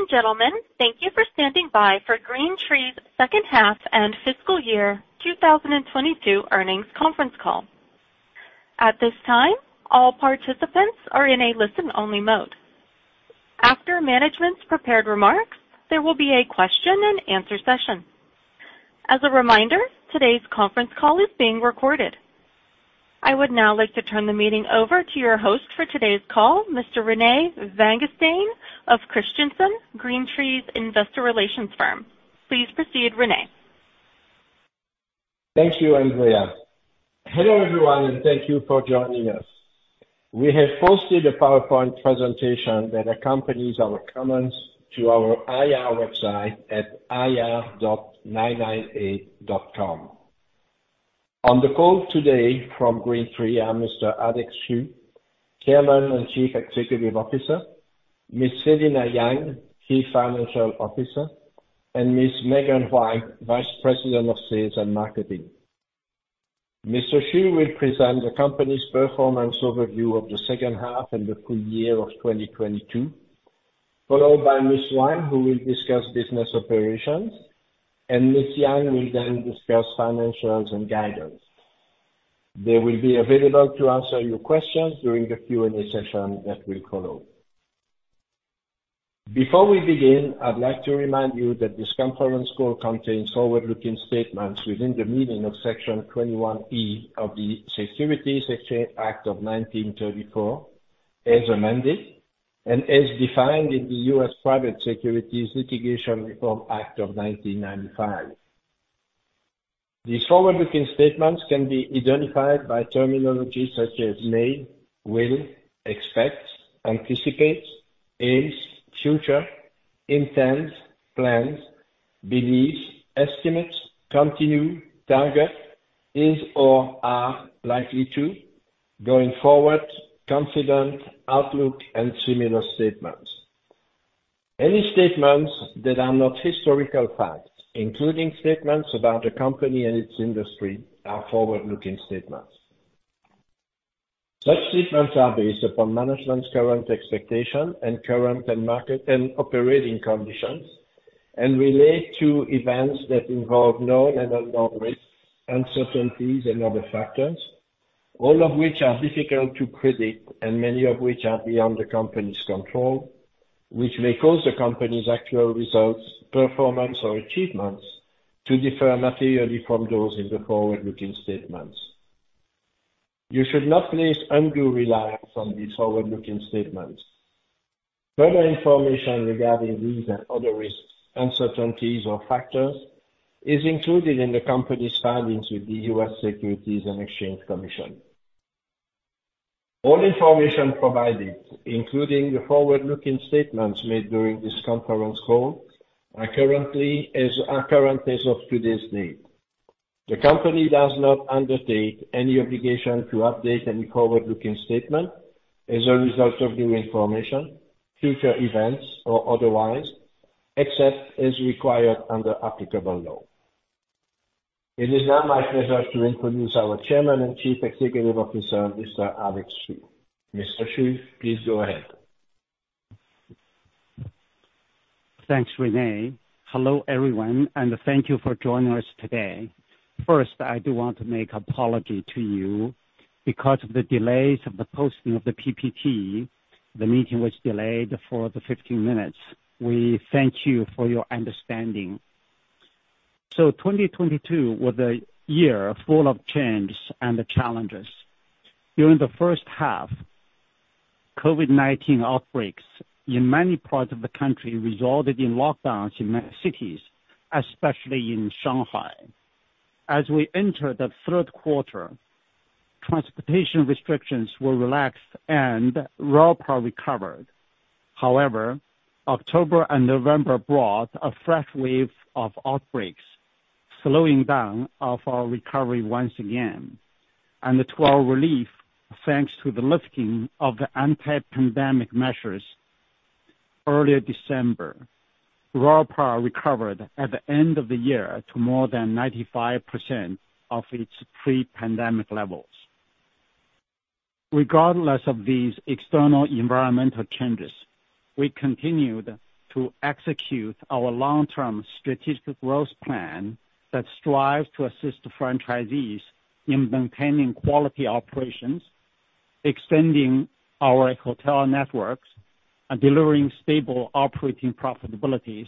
Hello, ladies and gentlemen. Thank you for standing by for GreenTree's second half and fiscal year 2022 Earnings Conference Call. At this time, all participants are in a listen-only mode. After management's prepared remarks, there will be a question and answer session. As a reminder, today's conference call is being recorded. I would now like to turn the meeting over to your host for today's call, Mr. Rene Vanguestaine of Christensen, GreenTree's investor relations firm. Please proceed, Rene. Thank you, Andrea. Hello, everyone, and thank you for joining us. We have posted a PowerPoint presentation that accompanies our comments to our IR website at ir.998.com. On the call today from GreenTree are Mr. Alex Xu, Chairman and Chief Executive Officer, Ms. Selina Yang, Chief Financial Officer, and Ms. Megan Huang, Vice President of Sales and Marketing. Mr. Xu will present the company's performance overview of the second half and the full year of 2022, followed by Ms. Huang, who will discuss business operations, and Ms. Yang will then discuss financials and guidance. They will be available to answer your questions during the Q&A session that will follow. Before we begin, I'd like to remind you that this conference call contains forward-looking statements within the meaning of Section 21E of the Securities Exchange Act of 1934, as amended and as defined in the U.S. Private Securities Litigation Reform Act of 1995. These forward-looking statements can be identified by terminology such as may, will, expect, anticipate, is, future, intense, plans, beliefs, estimates, continue, target, is or are likely to, going forward, confident, outlook, and similar statements. Any statements that are not historical facts, including statements about the company and its industry, are forward-looking statements. Such statements are based upon management's current expectations and current and market and operating conditions and relate to events that involve known and unknown risks, uncertainties, and other factors, all of which are difficult to predict and many of which are beyond the company's control, which may cause the company's actual results, performance, or achievements to differ materially from those in the forward-looking statements. You should not place undue reliance on these forward-looking statements. Further information regarding these and other risks, uncertainties, or factors is included in the company's filings with the U.S. Securities and Exchange Commission. All information provided, including the forward-looking statements made during this conference call, are current as of today's date. The company does not undertake any obligation to update any forward-looking statement as a result of new information, future events or otherwise, except as required under applicable law. It is now my pleasure to introduce our Chairman and Chief Executive Officer, Mr. Alex Xu. Mr. Xu, please go ahead. Thanks, Rene. Hello, everyone, and thank you for joining us today. First, I do want to make apology to you. Because of the delays of the posting of the PPT, the meeting was delayed for the 15 minutes. We thank you for your understanding. 2022 was a year full of change and challenges. During the first half, COVID-19 outbreaks in many parts of the country resulted in lockdowns in many cities, especially in Shanghai. As we enter the Q3, transportation restrictions were relaxed and RevPAR recovered. However, October and November brought a fresh wave of outbreaks, slowing down of our recovery once again. To our relief, thanks to the lifting of the anti-pandemic measures early December, RevPAR recovered at the end of the year to more than 95% of its pre-pandemic levels. Regardless of these external environmental changes, we continued to execute our long-term strategic growth plan that strives to assist franchisees in maintaining quality operations, extending our hotel networks, and delivering stable operating profitabilities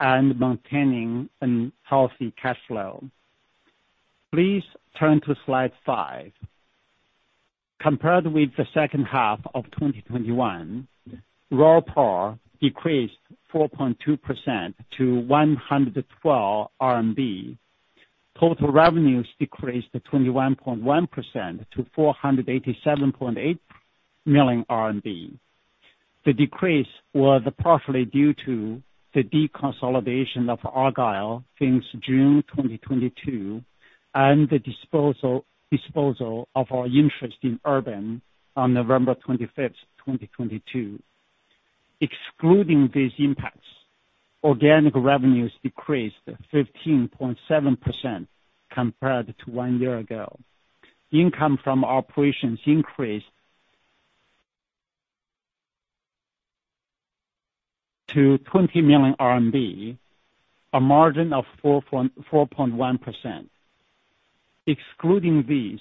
and maintaining a healthy cash flow. Please turn to slide five. Compared with the second half of 2021, RevPAR decreased 4.2% to 112 RMB. Total revenues decreased 21.1% to 487.8 million RMB. The decrease was partially due to the deconsolidation of Argyle since June 2022, and the disposal of our interest in Urban on November 25, 2022. Excluding these impacts, organic revenues decreased 15.7% compared to one year ago. Income from operations increased to 20 million RMB, a margin of 4.1%. Excluding these,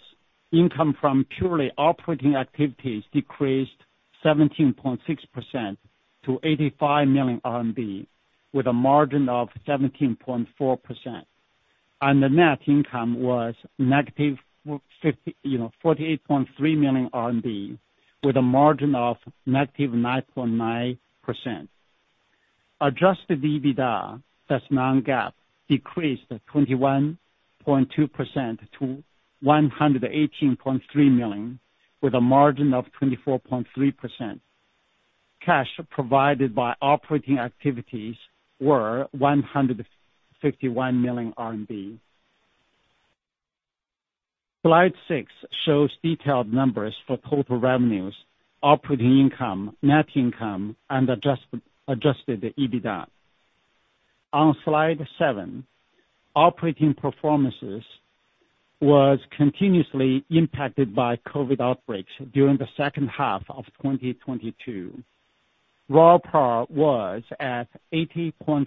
income from purely operating activities decreased 17.6% to 85 million RMB, with a margin of 17.4%. The net income was negative, you know, 48.3 million RMB, with a margin of negative 9.9%. Adjusted EBITDA, that's non-GAAP, decreased 21.2% to 118.3 million, with a margin of 24.3%. Cash provided by operating activities were RMB 151 million. Slide six shows detailed numbers for total revenues, operating income, net income, and adjusted EBITDA. On slide seven, operating performances was continuously impacted by COVID outbreaks during the second half of 2022. RevPAR was at 80.3%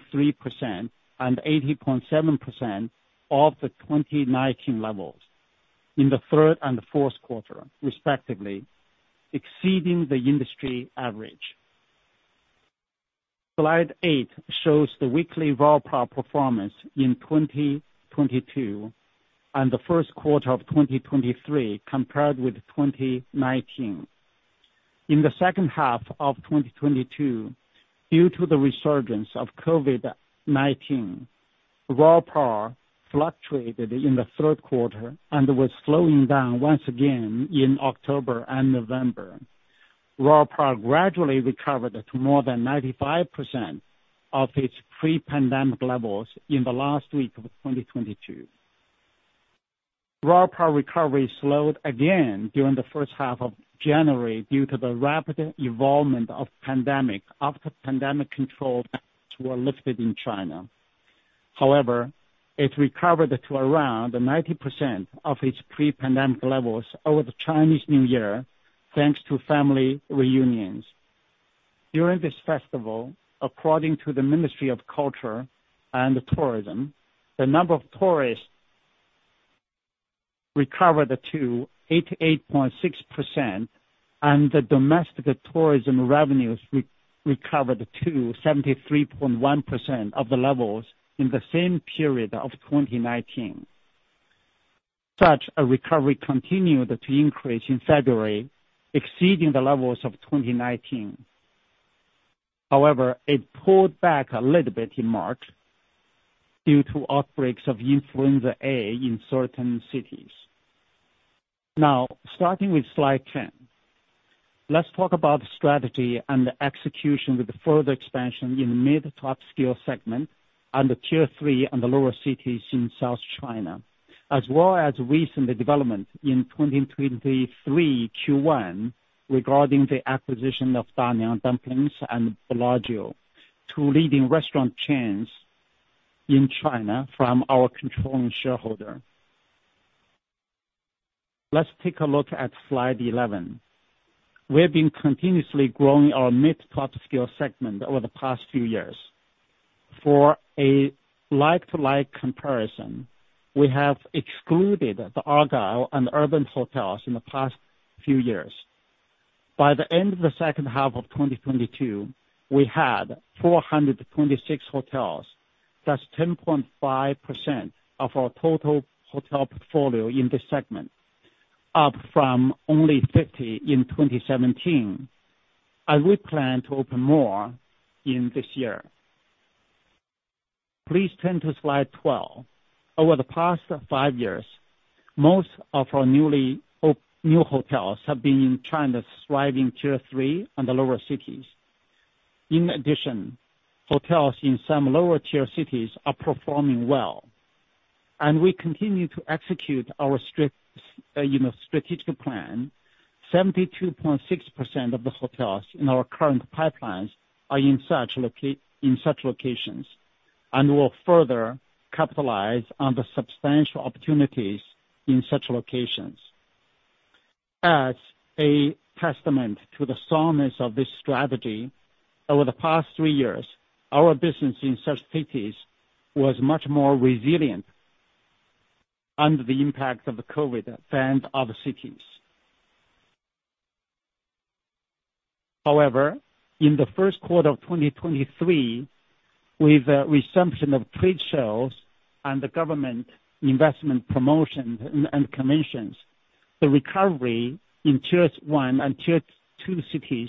and 80.7% of the 2019 levels in the Q3 and Q4, respectively, exceeding the industry average. Slide eight shows the weekly RevPAR performance in 2022 and the Q1 of 2023 compared with 2019. In the second half of 2022, due to the resurgence of COVID-19, RevPAR fluctuated in the Q3 and was slowing down once again in October and November. RevPAR gradually recovered to more than 95% of its pre-pandemic levels in the last week of 2022. RevPAR recovery slowed again during the first half of January due to the rapid evolvement of pandemic after pandemic control were lifted in China. It recovered to around 90% of its pre-pandemic levels over the Chinese New Year, thanks to family reunions. During this festival, according to the Ministry of Culture and Tourism, the number of tourists recovered to 88.6%, and the domestic tourism revenues re-recovered to 73.1% of the levels in the same period of 2019. Such a recovery continued to increase in February, exceeding the levels of 2019. It pulled back a little bit in March due to outbreaks of influenza A in certain cities. Starting with slide 10, let's talk about the strategy and the execution with further expansion in the mid top skill segment and the Tier III and the lower cities in South China, as well as recent development in 2023 Q1 regarding the acquisition of Da Niang Dumplings and Bellagio, two leading restaurant chains in China from our controlling shareholder. Let's take a look at slide 11. We have been continuously growing our mid top skill segment over the past few years. For a like-to-like comparison, we have excluded the Argyle and Urban hotels in the past few years. By the end of the second half of 2022, we had 426 hotels. That's 10.5% of our total hotel portfolio in this segment, up from only 50 in 2017, and we plan to open more in this year. Please turn to slide 12. Over the past five years, most of our new hotels have been in China's thriving Tier III and the lower cities. In addition, hotels in some lower tier cities are performing well, and we continue to execute our strat, you know, strategic plan. 72.6% of the hotels in our current pipelines are in such locations. Will further capitalize on the substantial opportunities in such locations. As a testament to the soundness of this strategy, over the past three years, our business in such cities was much more resilient under the impact of COVID than other cities. However, in the Q1 of 2023, with the resumption of trade shows and the government investment promotions and commissions, the recovery in Tier I and Tier II cities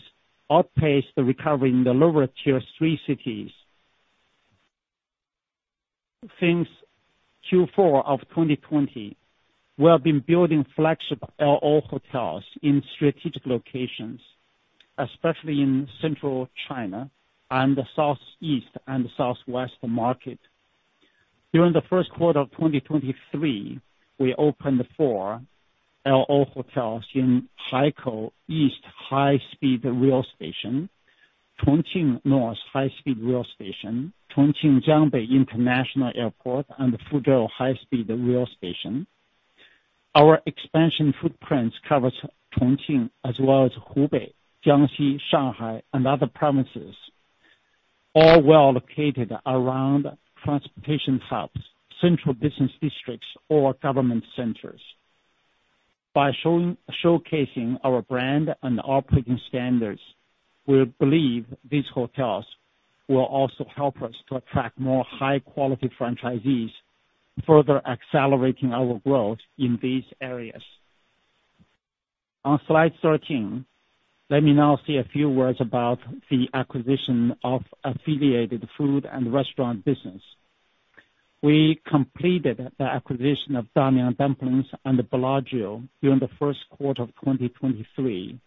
outpaced the recovery in the lower Tier III cities. Since Q4 of 2020, we have been building flagship LO hotels in strategic locations, especially in central China and the southeast and southwest market. During the Q1 of 2023, we opened four LO hotels in Haikou East high-speed rail station, Chongqing North high-speed rail station, Chongqing Jiangbei International Airport, and the Fuzhou high-speed rail station. Our expansion footprints covers Chongqing as well as Hubei, Jiangxi, Shanghai, and other provinces, all well located around transportation hubs, central business districts or government centers. By showcasing our brand and operating standards, we believe these hotels will also help us to attract more high-quality franchisees, further accelerating our growth in these areas. On slide 13, let me now say a few words about the acquisition of affiliated food and restaurant business. We completed the acquisition of Da Niang Dumplings and Bellagio during the Q1 of 2023. Da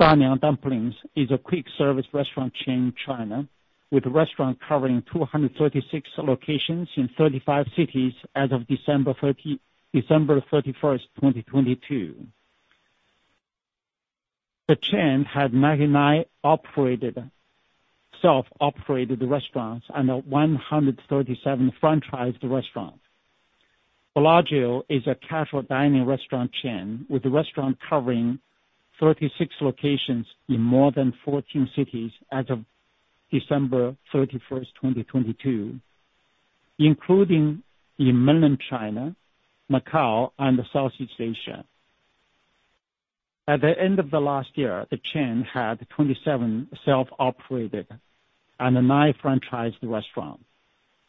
Niang Dumplings is a quick service restaurant chain in China, with restaurant covering 236 locations in 35 cities as of 31 December 2022. The chain had 99 operated, self-operated restaurants and 137 franchised restaurants. Bellagio is a casual dining restaurant chain with the restaurant covering 36 locations in more than 14 cities as of 31 December 2022, including in Mainland China, Macau and Southeast Asia. At the end of the last year, the chain had 27 self-operated and nine franchised restaurants.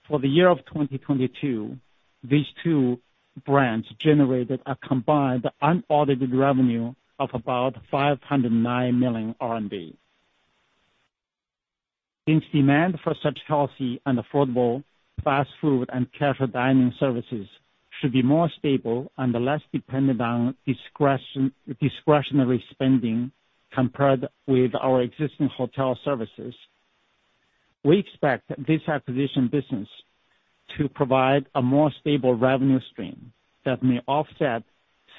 For the year of 2022, these two brands generated a combined unaudited revenue of about RMB 509 million. In demand for such healthy and affordable fast food and casual dining services should be more stable and less dependent on discretionary spending compared with our existing hotel services. We expect this acquisition business to provide a more stable revenue stream that may offset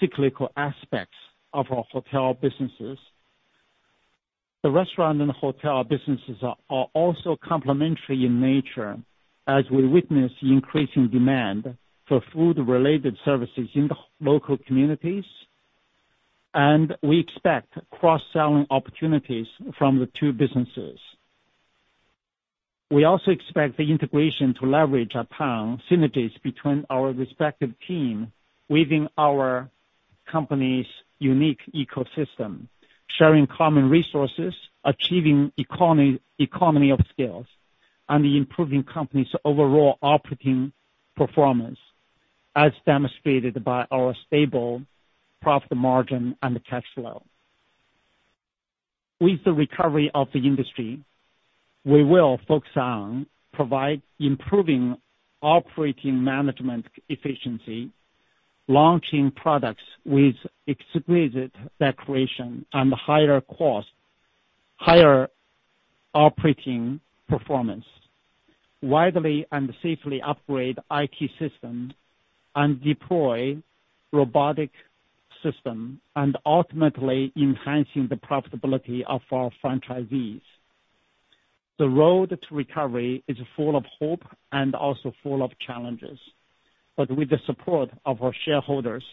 cyclical aspects of our hotel businesses. The restaurant and hotel businesses are also complementary in nature as we witness the increasing demand for food-related services in the local communities, and we expect cross-selling opportunities from the two businesses. We also expect the integration to leverage upon synergies between our respective team within our company's unique ecosystem, sharing common resources, achieving economies of scale, and improving company's overall operating performance, as demonstrated by our stable profit margin and cash flow. With the recovery of the industry, we will focus on improving operating management efficiency, launching products with exquisite decoration and higher cost, higher operating performance, widely and safely upgrade IT system, and deploy robotic system, and ultimately enhancing the profitability of our franchisees. The road to recovery is full of hope and also full of challenges. With the support of our shareholders,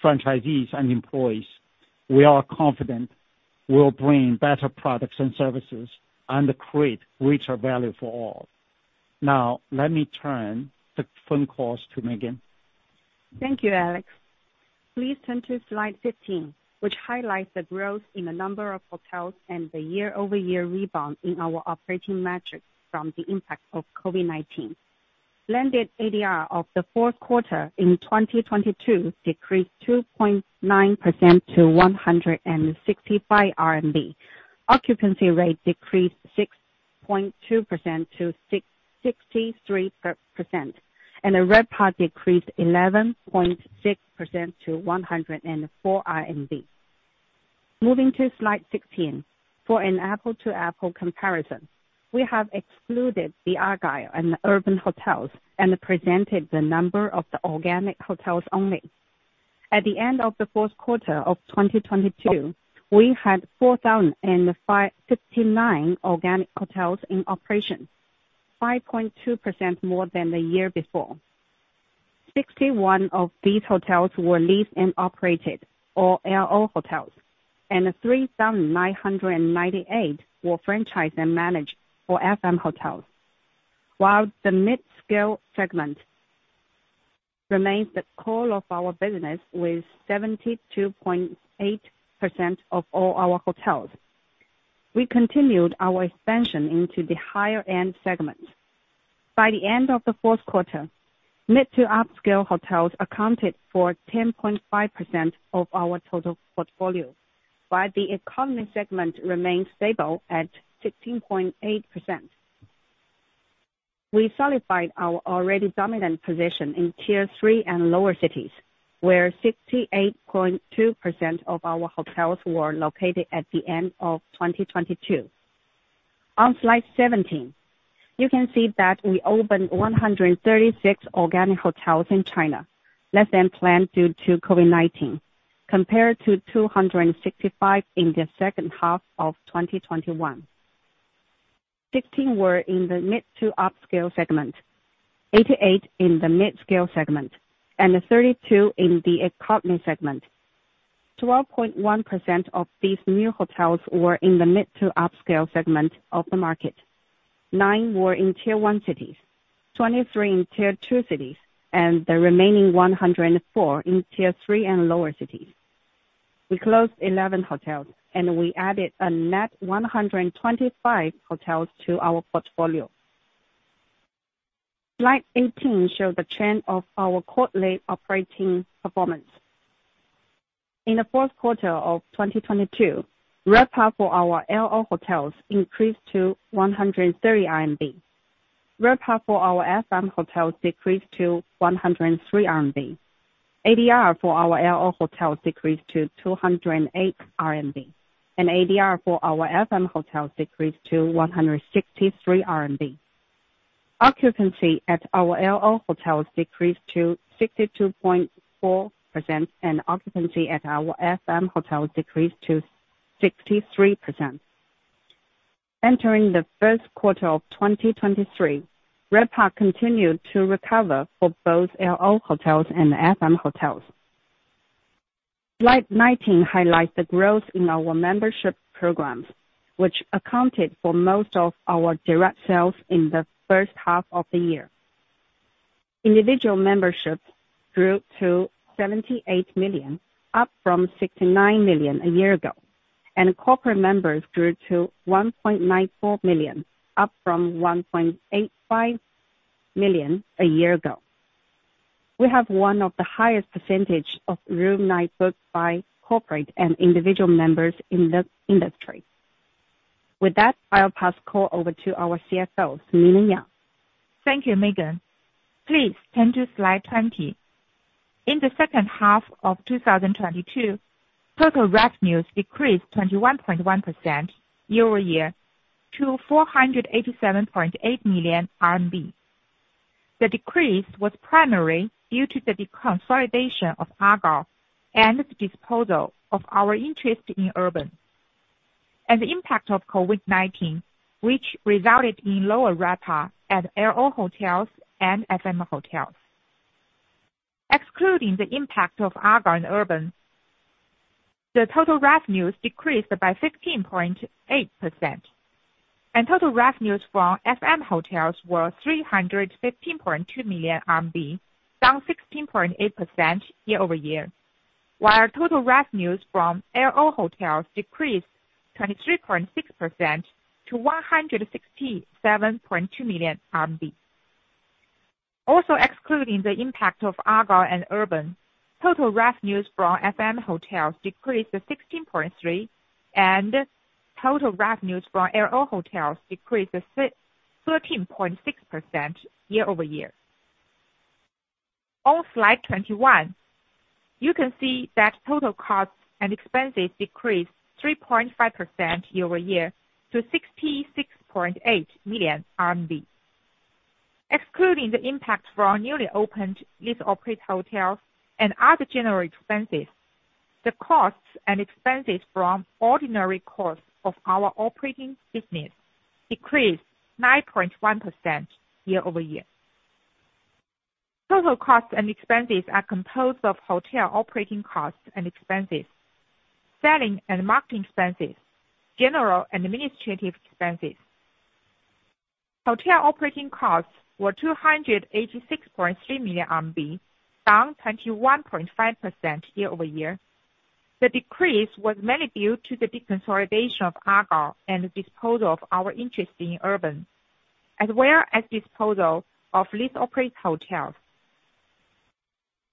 franchisees and employees, we are confident we'll bring better products and services and create greater value for all. Now let me turn the phone calls to Megan. Thank you, Alex. Please turn to slide 15, which highlights the growth in the number of hotels and the year-over-year rebound in our operating metrics from the impact of COVID-19. Blended ADR of the Q4 in 2022 decreased 2.9% to 165 RMB. Occupancy rate decreased 6.2% to 63%. The RevPAR decreased 11.6% to 104 RMB. Moving to slide 16. For an apple-to-apple comparison, we have excluded the Argyle and Urban Hotels and presented the number of the organic hotels only. At the end of the Q4 of 2022, we had 4,059 organic hotels in operation, 5.2% more than the year before. 61 of these hotels were leased and operated or LO hotels, and 3,998 were franchised and managed or FM hotels. The mid-scale segment remains the core of our business with 72.8% of all our hotels. We continued our expansion into the higher end segment. By the end of the Q4, mid to upscale hotels accounted for 10.5% of our total portfolio, while the economy segment remained stable at 16.8%. We solidified our already dominant position in Tier III and lower cities. Where 68.2% of our hotels were located at the end of 2022. On slide 17, you can see that we opened 136 organic hotels in China, less than planned due to COVID-19. Compared to 265 in the second half of 2021. 16 were in the mid to upscale segment, 88 in the midscale segment, and 32 in the economy segment. 12.1% of these new hotels were in the mid to upscale segment of the market. Nine were in Tier I cities, 23 in Tier II cities, and the remaining 104 in Tier III and lower cities. We closed 11 hotels, and we added a net 125 hotels to our portfolio. Slide 18 show the trend of our quarterly operating performance. In the Q4 of 2022, RevPAR for our LO hotels increased to 130 RMB. RevPAR for our FM hotels decreased to 103 RMB. ADR for our LO hotels decreased to 208 RMB. ADR for our FM hotels decreased to 163 RMB. Occupancy at our LO hotels decreased to 62.4%, and occupancy at our FM hotels decreased to 63%. Entering the Q1 of 2023, RevPAR continued to recover for both LO hotels and FM hotels. Slide 19 highlights the growth in our membership programs, which accounted for most of our direct sales in the first half of the year. Individual memberships grew to 78 million, up from 69 million a year ago. Corporate members grew to 1.94 million, up from 1.85 million a year ago. We have one of the highest percentage of room night booked by corporate and individual members in the industry. With that, I'll pass call over to our CFO, Selina Yang. Thank you, Megan. Please turn to slide 20. In the second half of 2022, total revenues decreased 21.1% year-over-year to 487.8 million RMB. The decrease was primary due to the deconsolidation of Argyle and the disposal of our interest in Urban. The impact of COVID-19, which resulted in lower RevPAR at LO hotels and FM hotels. Excluding the impact of Argyle and Urban, the total revenues decreased by 15.8%, and total revenues from FM hotels were 315.2 million RMB, down 16.8% year-over-year. While total revenues from LO hotels decreased 23.6% to 167.2 million RMB. Excluding the impact of Argyle and Urban, total revenues from FM hotels decreased to 16.3%, and total revenues from LO hotels decreased 13.6% year-over-year. On slide 21, you can see that total costs and expenses decreased 3.5% year-over-year to 66.8 million RMB. Excluding the impact from our newly opened lease-operated hotels and other general expenses, the costs and expenses from ordinary course of our operating business decreased 9.1% year-over-year. Total costs and expenses are composed of hotel operating costs and expenses, selling and marketing expenses, general and administrative expenses. Hotel operating costs were 286.3 million RMB, down 21.5% year-over-year. The decrease was mainly due to the deconsolidation of Argyle and the disposal of our interest in Urban, as well as disposal of lease-operated hotels.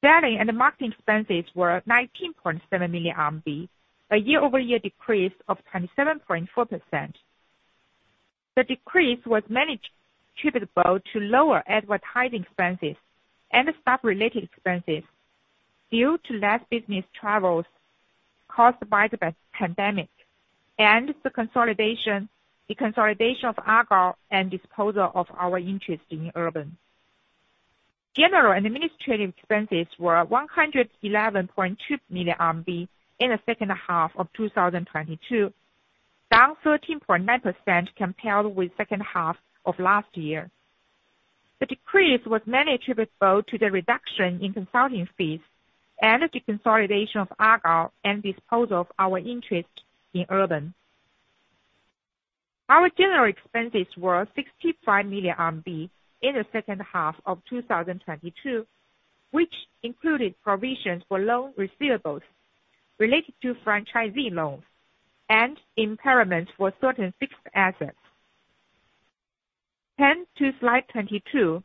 Selling and marketing expenses were 19.7 million RMB, a year-over-year decrease of 27.4%. The decrease was mainly attributable to lower advertising expenses and staff related expenses due to less business travels caused by the pandemic and the consolidation, deconsolidation of Argyle and disposal of our interest in Urban. General and administrative expenses were 111.2 million RMB in the second half of 2022, down 13.9% compared with second half of last year. The decrease was mainly attributable to the reduction in consulting fees and the deconsolidation of Argyle and disposal of our interest in Urban. Our general expenses were 65 million RMB in the second half of 2022, which included provisions for loan receivables related to franchisee loans and impairment for certain fixed assets. Turn to slide 22.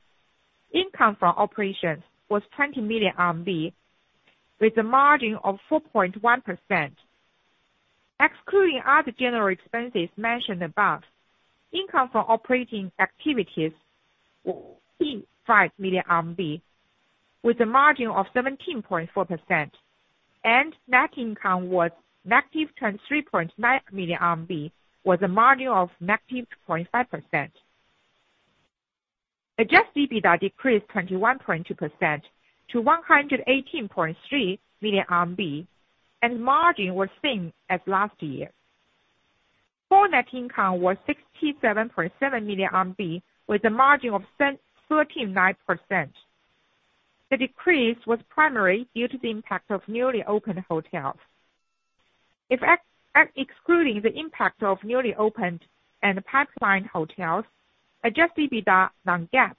Income from operations was 20 million RMB, with a margin of 4.1%. Excluding other general expenses mentioned above, income from operating activities was 5 million RMB, with a margin of 17.4%, and net income was negative 23.9 million RMB, with a margin of negative 0.5%. Adjusted EBITDA decreased 21.2% to 118.3 million RMB. Margin was same as last year. Core net income was 67.7 million RMB with a margin of 13.9%. The decrease was primary due to the impact of newly opened hotels. If excluding the impact of newly opened and pipeline hotels, adjusted EBITDA non-GAAP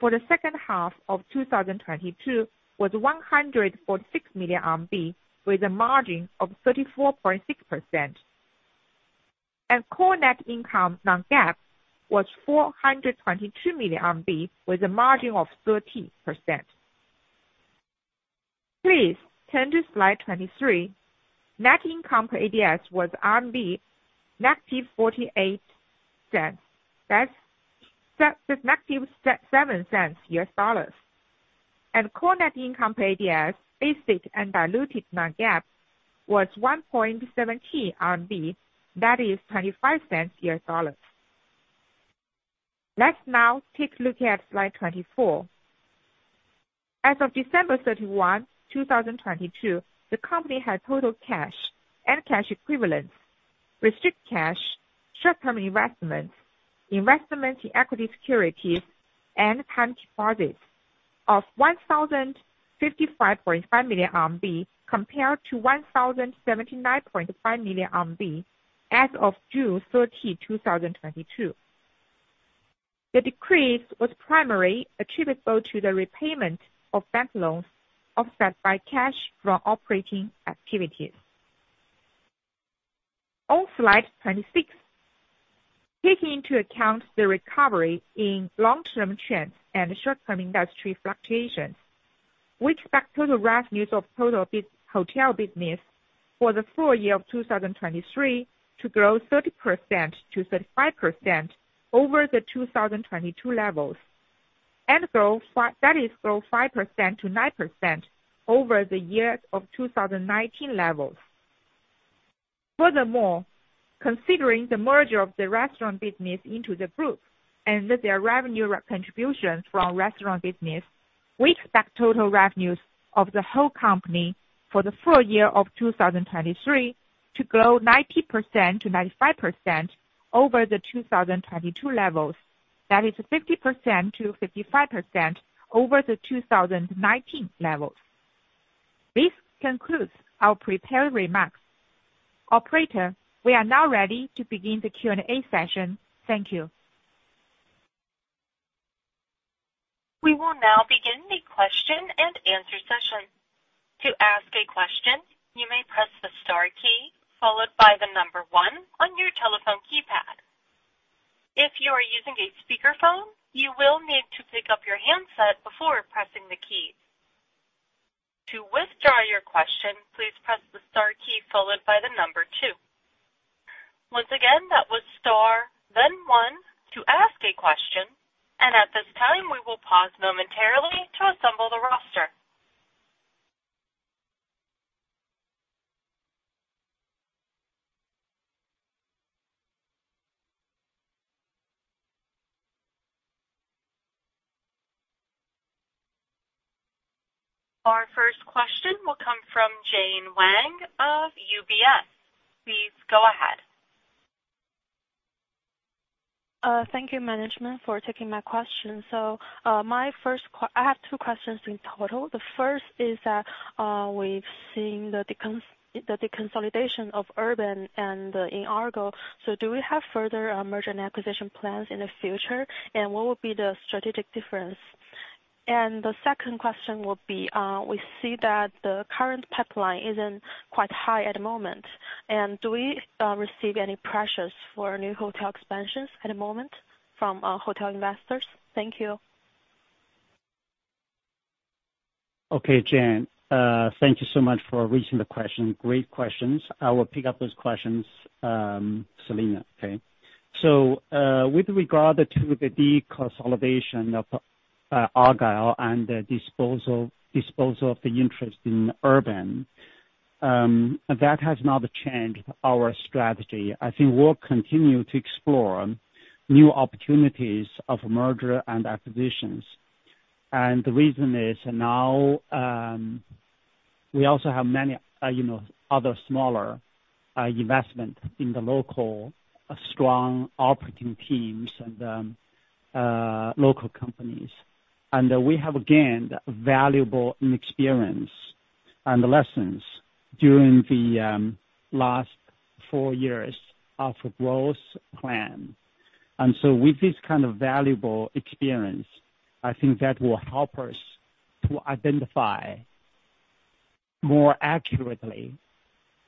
for the second half of 2022 was 146 million RMB with a margin of 34.6%. Core net income non-GAAP was 422 million RMB with a margin of 13%. Please turn to slide 23. Net income per ADS was RMB negative 0.48. That's negative $0.07. Core net income per ADS basic and diluted non-GAAP was RMB 1.17, that is $0.25. Let's now take a look at slide 24. As of 31 December 2022, the company had total cash and cash equivalents, restrict cash, short-term investments in equity securities, and time deposits of 1,055.5 million RMB compared to 1,079.5 million RMB as of 30 June 2022. The decrease was primarily attributable to the repayment of bank loans offset by cash from operating activities. On slide 26. Taking into account the recovery in long-term trends and short-term industry fluctuations, we expect total revenues of hotel business for the full year of 2023 to grow 30%-35% over the 2022 levels and that is grow 5%-9% over the years of 2019 levels. Considering the merger of the restaurant business into the group and with their revenue contributions from restaurant business, we expect total revenues of the whole company for the full year of 2023 to grow 90%-95% over the 2022 levels. 50%-55% over the 2019 levels. This concludes our prepared remarks. Operator, we are now ready to begin the Q&A session. Thank you. We will now begin the question and answer session. To ask a question, you may press the star key followed by the number 1 on your telephone keypad. If you are using a speakerphone, you will need to pick up your handset before pressing the key. To withdraw your question, please press the star key followed by the number 2. Once again, that was star then 1 to ask a question. At this time, we will pause momentarily to assemble the roster. Our first question will come from Jane Wang of UBS. Please go ahead. Thank you management for taking my question. I have two questions in total. The first is that, we've seen the deconsolidation of Urban and, in Argyle. Do we have further merger and acquisition plans in the future? What will be the strategic difference? The second question will be, we see that the current pipeline isn't quite high at the moment. Do we receive any pressures for new hotel expansions at the moment from our hotel investors? Thank you. Okay, Jane, thank you so much for raising the question. Great questions. I will pick up those questions, Selina. Okay. With regard to the deconsolidation of Argyle and the disposal of the interest in Urban, that has not changed our strategy. I think we'll continue to explore new opportunities of merger and acquisitions. The reason is now, we also have many, you know, other smaller investment in the local strong operating teams and local companies. We have, again, valuable experience and lessons during the last four years of growth plan. With this kind of valuable experience, I think that will help us to identify more accurately,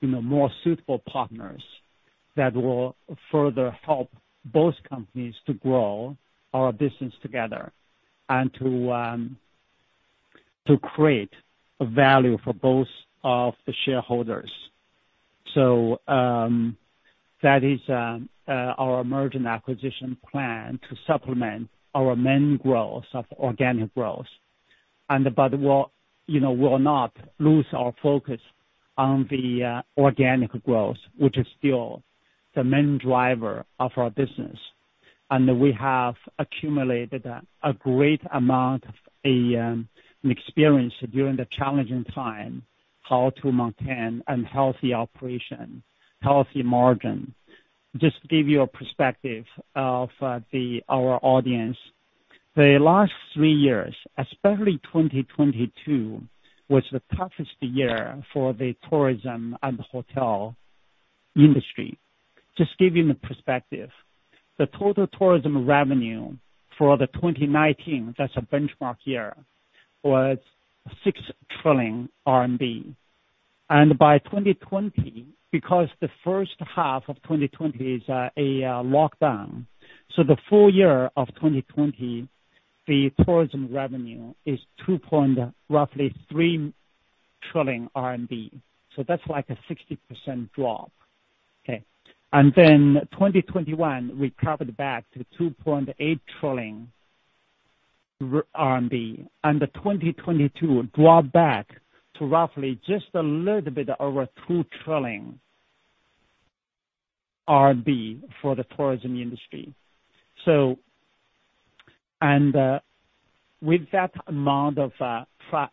you know, more suitable partners that will further help both companies to grow our business together and to- To create a value for both of the shareholders. That is our merger and acquisition plan to supplement our main growth of organic growth. We'll, you know, we'll not lose our focus on the organic growth, which is still the main driver of our business. We have accumulated a great amount of experience during the challenging time how to maintain and healthy operation, healthy margin. Just to give you a perspective of our audience. The last three years, especially 2022, was the toughest year for the tourism and hotel industry. Just give you the perspective. The total tourism revenue for 2019, that's a benchmark year, was 6 trillion RMB. By 2020, because the first half of 2020 is a lockdown, the full year of 2020, the tourism revenue is 2.3 trillion RMB. That's like a 60% drop. Okay? 2021, we recovered back to 2.8 trillion RMB. 2022 dropped back to roughly just a little bit over 2 trillion RMB for the tourism industry. With that amount of,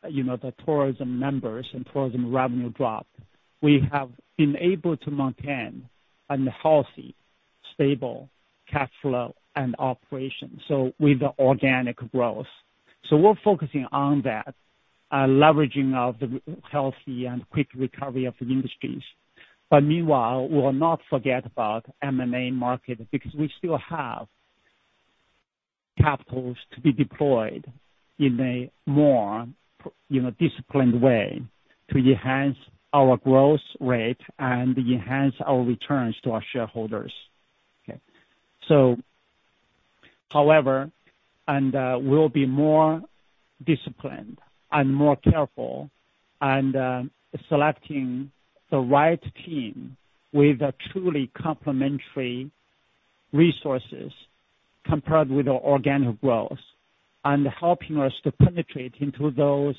you know, the tourism numbers and tourism revenue drop, we have been able to maintain a healthy, stable cash flow and operation with the organic growth. We're focusing on that leveraging of the healthy and quick recovery of the industries. Meanwhile, we'll not forget about M&A market, because we still have capitals to be deployed in a more you know, disciplined way to enhance our growth rate and enhance our returns to our shareholders. Okay. However, and we'll be more disciplined and more careful and selecting the right team with a truly complementary resources compared with our organic growth, and helping us to penetrate into those,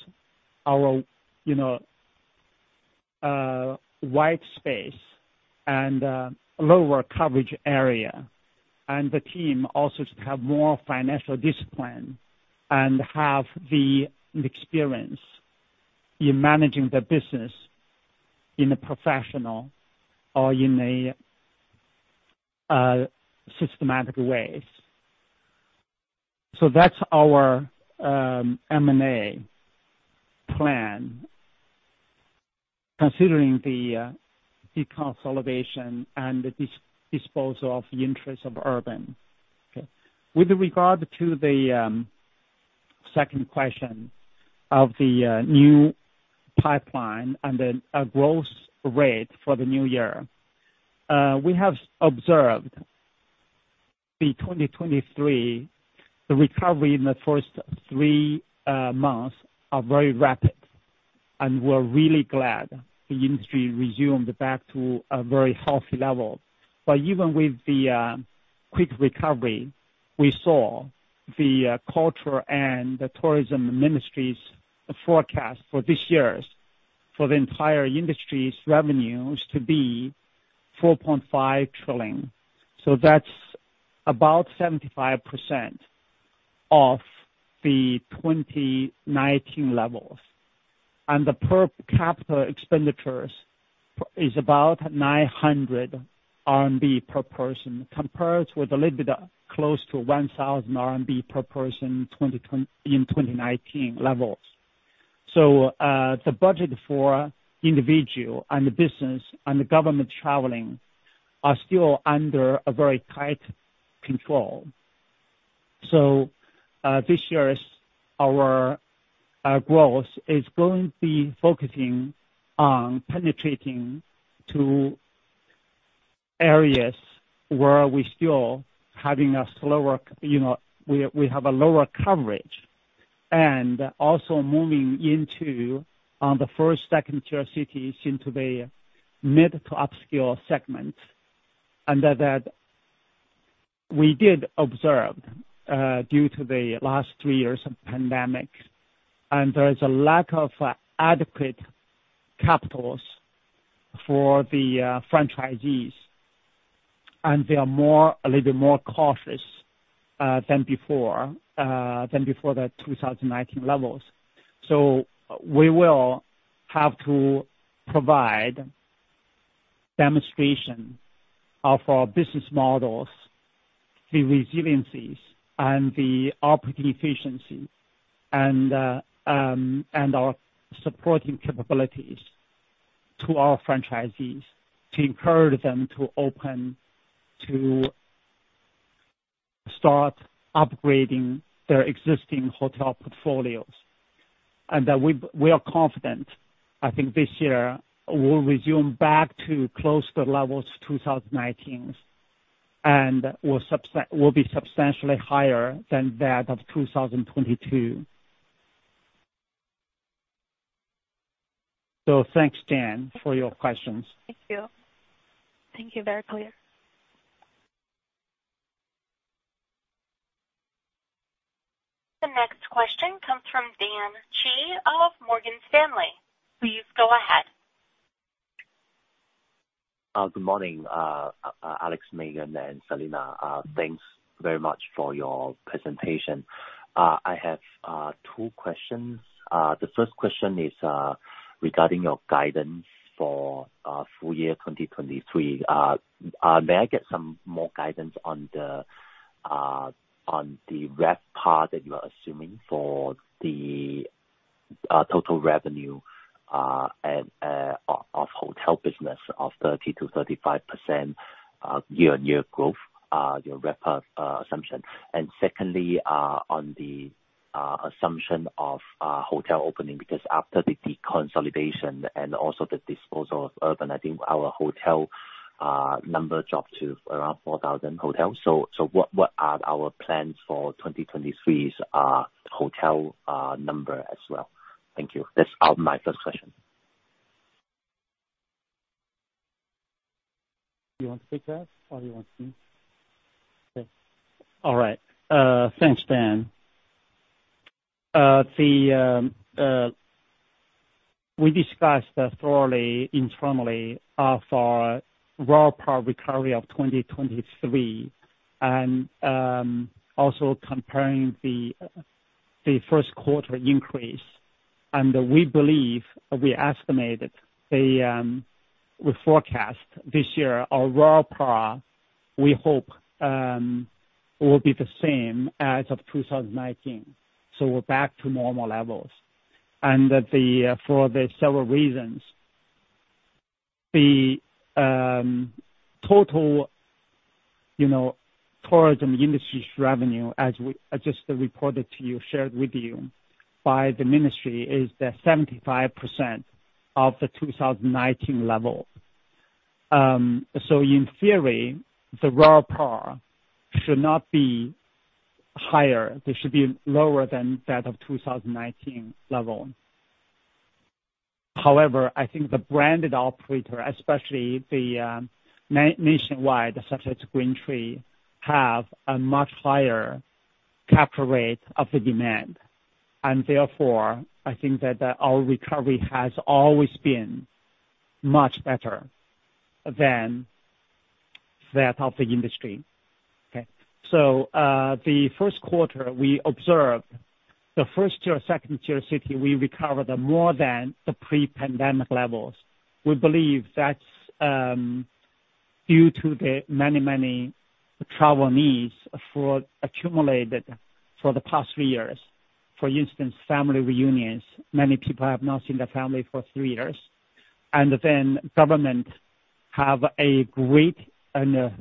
our, you know, white space and lower coverage area. The team also to have more financial discipline and have the experience in managing the business in a professional or in a systematic ways. That's our M&A plan, considering the deconsolidation and disposal of the interest of Urban. Okay. With regard to the second question of the new pipeline and then our growth rate for the new year, we have observed the 2023, the recovery in the first three months are very rapid, and we're really glad the industry resumed back to a very healthy level. Even with the quick recovery, we saw the Ministry of Culture and Tourism's forecast for this year's for the entire industry's revenues to be 4.5 trillion. That's about 75% of the 2019 levels. The per capita expenditures is about 900 RMB per person, compared with a little bit close to 1,000 RMB per person in 2019 levels. The budget for individual and the business and the government traveling are still under a very tight control. This year's, our growth is going to be focusing on penetrating to areas where we're still having a slower, you know, we have a lower coverage. Also moving into the Tier I, Tier II cities into the mid to upscale segments. That we did observe, due to the last three years of pandemic, and there is a lack of adequate capitals for the franchisees, and they are more, a little more cautious than before, than before the 2019 levels. We will have to provide demonstration of our business models, the resiliencies and the operating efficiency and our supporting capabilities to our franchisees to encourage them to open, to start upgrading their existing hotel portfolios. We are confident, I think this year will resume back to closer levels 2019. Will be substantially higher than that of 2022. Thanks, Jane, for your questions. Thank you. Thank you. Very clear. The next question comes from Dan Gee of Morgan Stanley. Please go ahead. Good morning, Alex Xu, Mingyan and Selina Yang. Thanks very much for your presentation. I have two questions. The first question is regarding your guidance for full year 2023. May I get some more guidance on the RevPAR that you are assuming for the total revenue and of hotel business of 30%-35% year-on-year growth, your RevPAR assumption? Secondly, on the assumption of hotel opening, because after the deconsolidation and also the disposal of Urban, I think our hotel number dropped to around 4,000 hotels. What are our plans for 2023's hotel number as well? Thank you. That's my first question. You want to take that or you want me? Okay. All right. Thanks, Dan. The, we discussed thoroughly, internally, for RevPAR recovery of 2023 and also comparing the Q1 increase. We believe, we estimated, we forecast this year our RevPAR, we hope, will be the same as of 2019. We're back to normal levels. For the several reasons. The total, you know, tourism industry's revenue as I just reported to you, shared with you by the ministry, is that 75% of the 2019 level. In theory, the RevPAR should not be higher. They should be lower than that of 2019 level. However, I think the branded operator, especially the nationwide such as GreenTree, have a much higher capture rate of the demand, and therefore, I think that our recovery has always been much better than that of the industry. Okay? The Q1 we observed, the Tier I, Tier II city, we recovered more than the pre-pandemic levels. We believe that's due to the many, many travel needs for accumulated for the past three years. For instance, family reunions. Many people have not seen their family for three years. Government have a great and,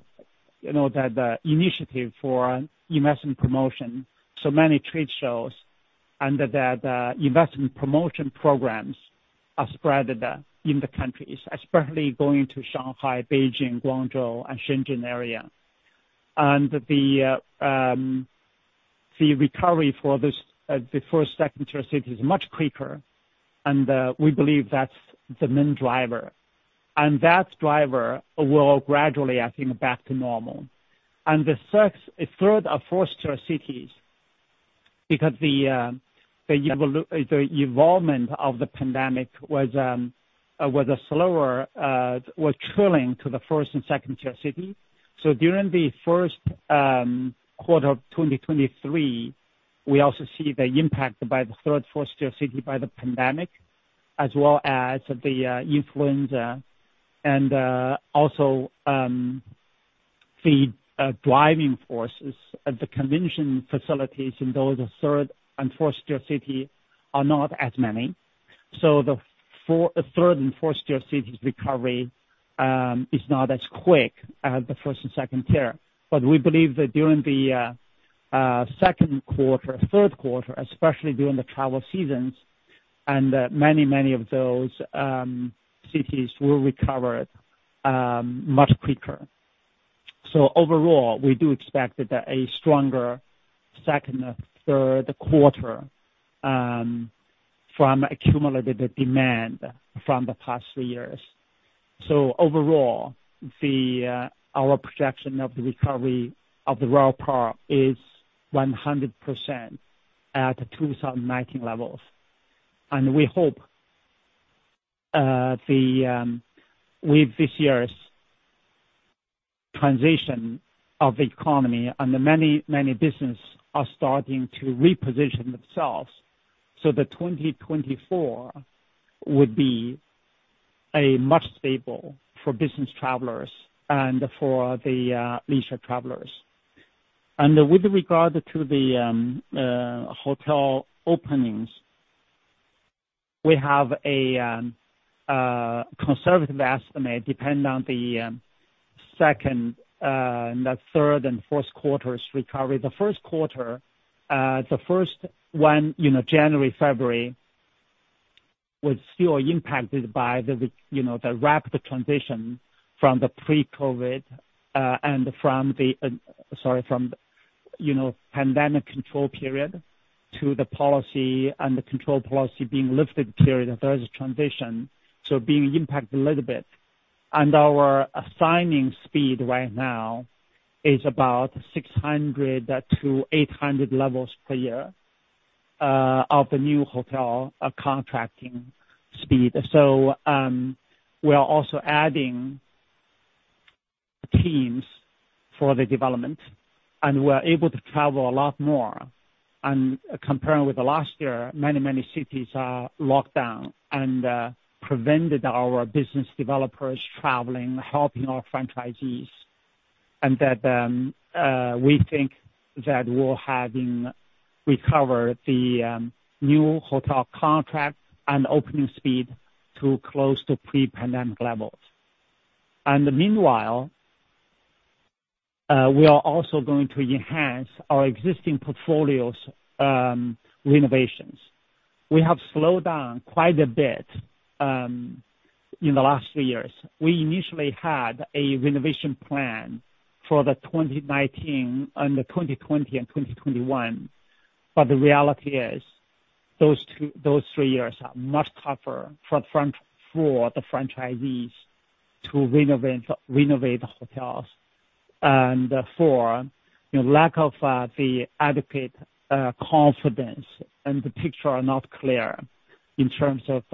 you know, the initiative for investment promotion, so many trade shows and that investment promotion programs are spreaded in the countries, especially going to Shanghai, Beijing, Guangzhou and Shenzhen area. The recovery for this, the Tier I, Tier II city is much quicker. We believe that's the main driver. That driver will gradually, I think, back to normal. The search is Tier III, Tier IV cities, because the evolvement of the pandemic was slower, was trailing to the Tier III, Tier IV city. During the Q1 of 2023, we also see the impact by the Tier III, Tier IV city by the pandemic, as well as the influenza and also the driving forces of the convention facilities in those Tier III, Tier IV city are not as many. The Tier III, Tier IV I cities recovery is not as quick as the Tier I, Tier II. We believe that during the Q2, Q3, especially during the travel seasons and many of those cities will recover much quicker. Overall, we do expect that a stronger second or Q3 from accumulated demand from the past three years. Overall, the our projection of the recovery of the RevPAR is 100% at 2019 levels. We hope the with this year's transition of economy and many business are starting to reposition themselves. The 2024 would be a much stable for business travelers and for the leisure travelers. With regard to the hotel openings, we have a conservative estimate depend on the second and the third and Q4s recovery. The Q1, the first one, you know, January, February, was still impacted by the, you know, the rapid transition from, you know, pandemic control period to the policy and the control policy being lifted period, there is a transition, being impacted a little bit. Our assigning speed right now is about 600-800 levels per year of the new hotel contracting speed. We are also adding teams for the development, and we're able to travel a lot more. Comparing with the last year, many cities are locked down and prevented our business developers traveling, helping our franchisees. We think that we're having recovered the new hotel contract and opening speed to close to pre-pandemic levels. Meanwhile, we are also going to enhance our existing portfolios, renovations. We have slowed down quite a bit in the last few years. We initially had a renovation plan for the 2019 and the 2020 and 2021, but the reality is those three years are much tougher for the franchisees to renovate hotels, and for, you know, lack of the adequate confidence and the picture are not clear in terms of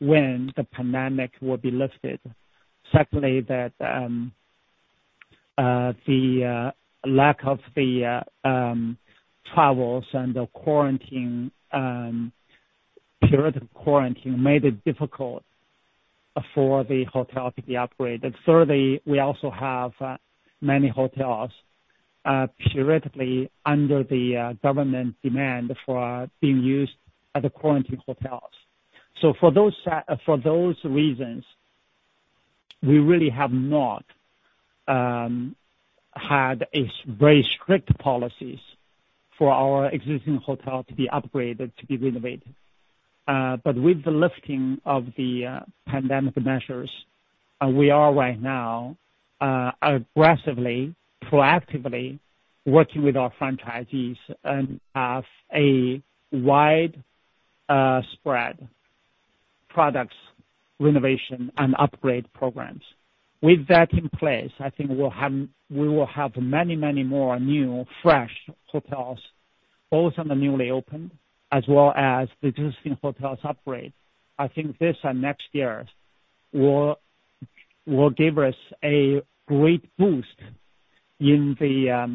when the pandemic will be lifted. Secondly, that the lack of the travels and the quarantine period of quarantine made it difficult for the hotel to be operated. Thirdly, we also have many hotels periodically under the government demand for being used as the quarantine hotels. For those reasons, we really have not had a very strict policies for our existing hotel to be upgraded, to be renovated. But with the lifting of the pandemic measures, we are right now aggressively, proactively working with our franchisees and have a wide spread products renovation and upgrade programs. With that in place, I think we will have many, many more new fresh hotels, both on the newly opened as well as the existing hotels upgrade. I think this and next years will give us a great boost in the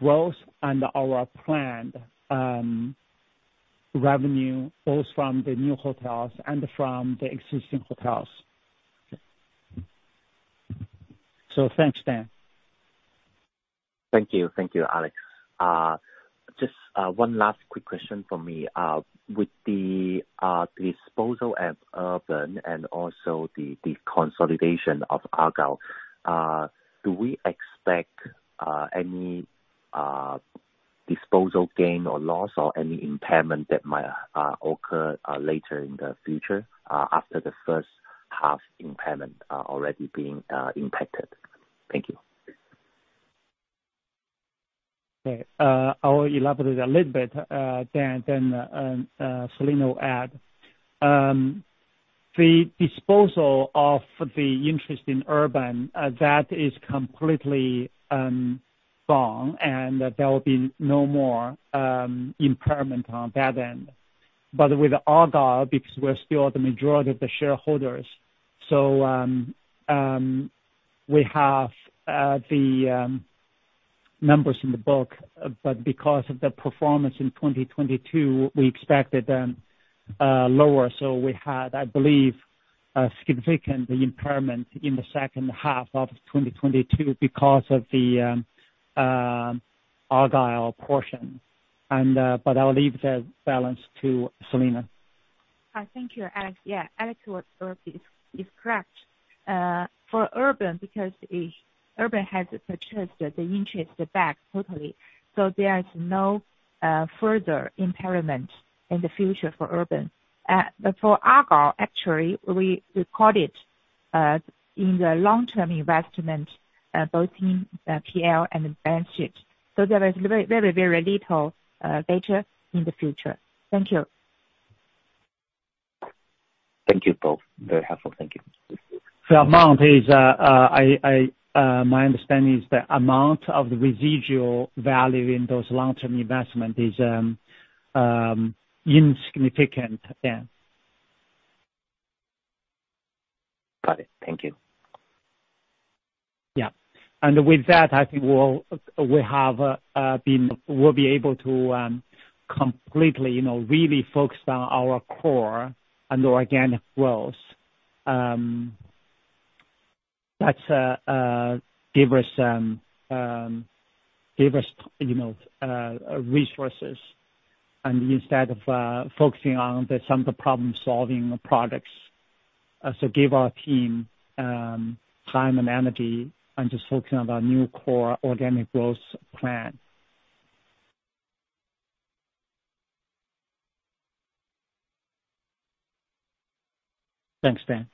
growth and our planned revenue both from the new hotels and from the existing hotels. Thanks, Dan. Thank you. Thank you, Alex. just one last quick question for me. with the disposal of Urban and also the consolidation of Argyle, do we expect any disposal gain or loss or any impairment that might occur later in the future, after the first half impairment already being impacted? Thank you. Okay. I will elaborate a little bit, Dan, then Selina will add. The disposal of the interest in Urban, that is completely gone, and there will be no more impairment on that end. With Argyle, because we're still the majority of the shareholders, so we have the numbers in the book, but because of the performance in 2022, we expected them lower. We had, I believe, a significant impairment in the second half of 2022 because of the Argyle portion. I'll leave the balance to Selina. Thank you, Alex. Yeah. Alex was correct. For Urban, because Urban has purchased the interest back totally, so there is no further impairment in the future for Urban. For Argyle, actually, we recorded in the long-term investment, both in P&L and the balance sheet. There is very, very, very little data in the future. Thank you. Thank you both. Very helpful. Thank you. The amount is, I, my understanding is the amount of the residual value in those long-term investment is, insignificant, Dan. Got it. Thank you. Yeah. With that, I think we'll be able to completely, you know, really focus on our core and organic growth. That give us, you know, resources. Instead of focusing on the some of the problem-solving products, give our team time and energy on just focusing on our new core organic growth plan. Thanks, Dan.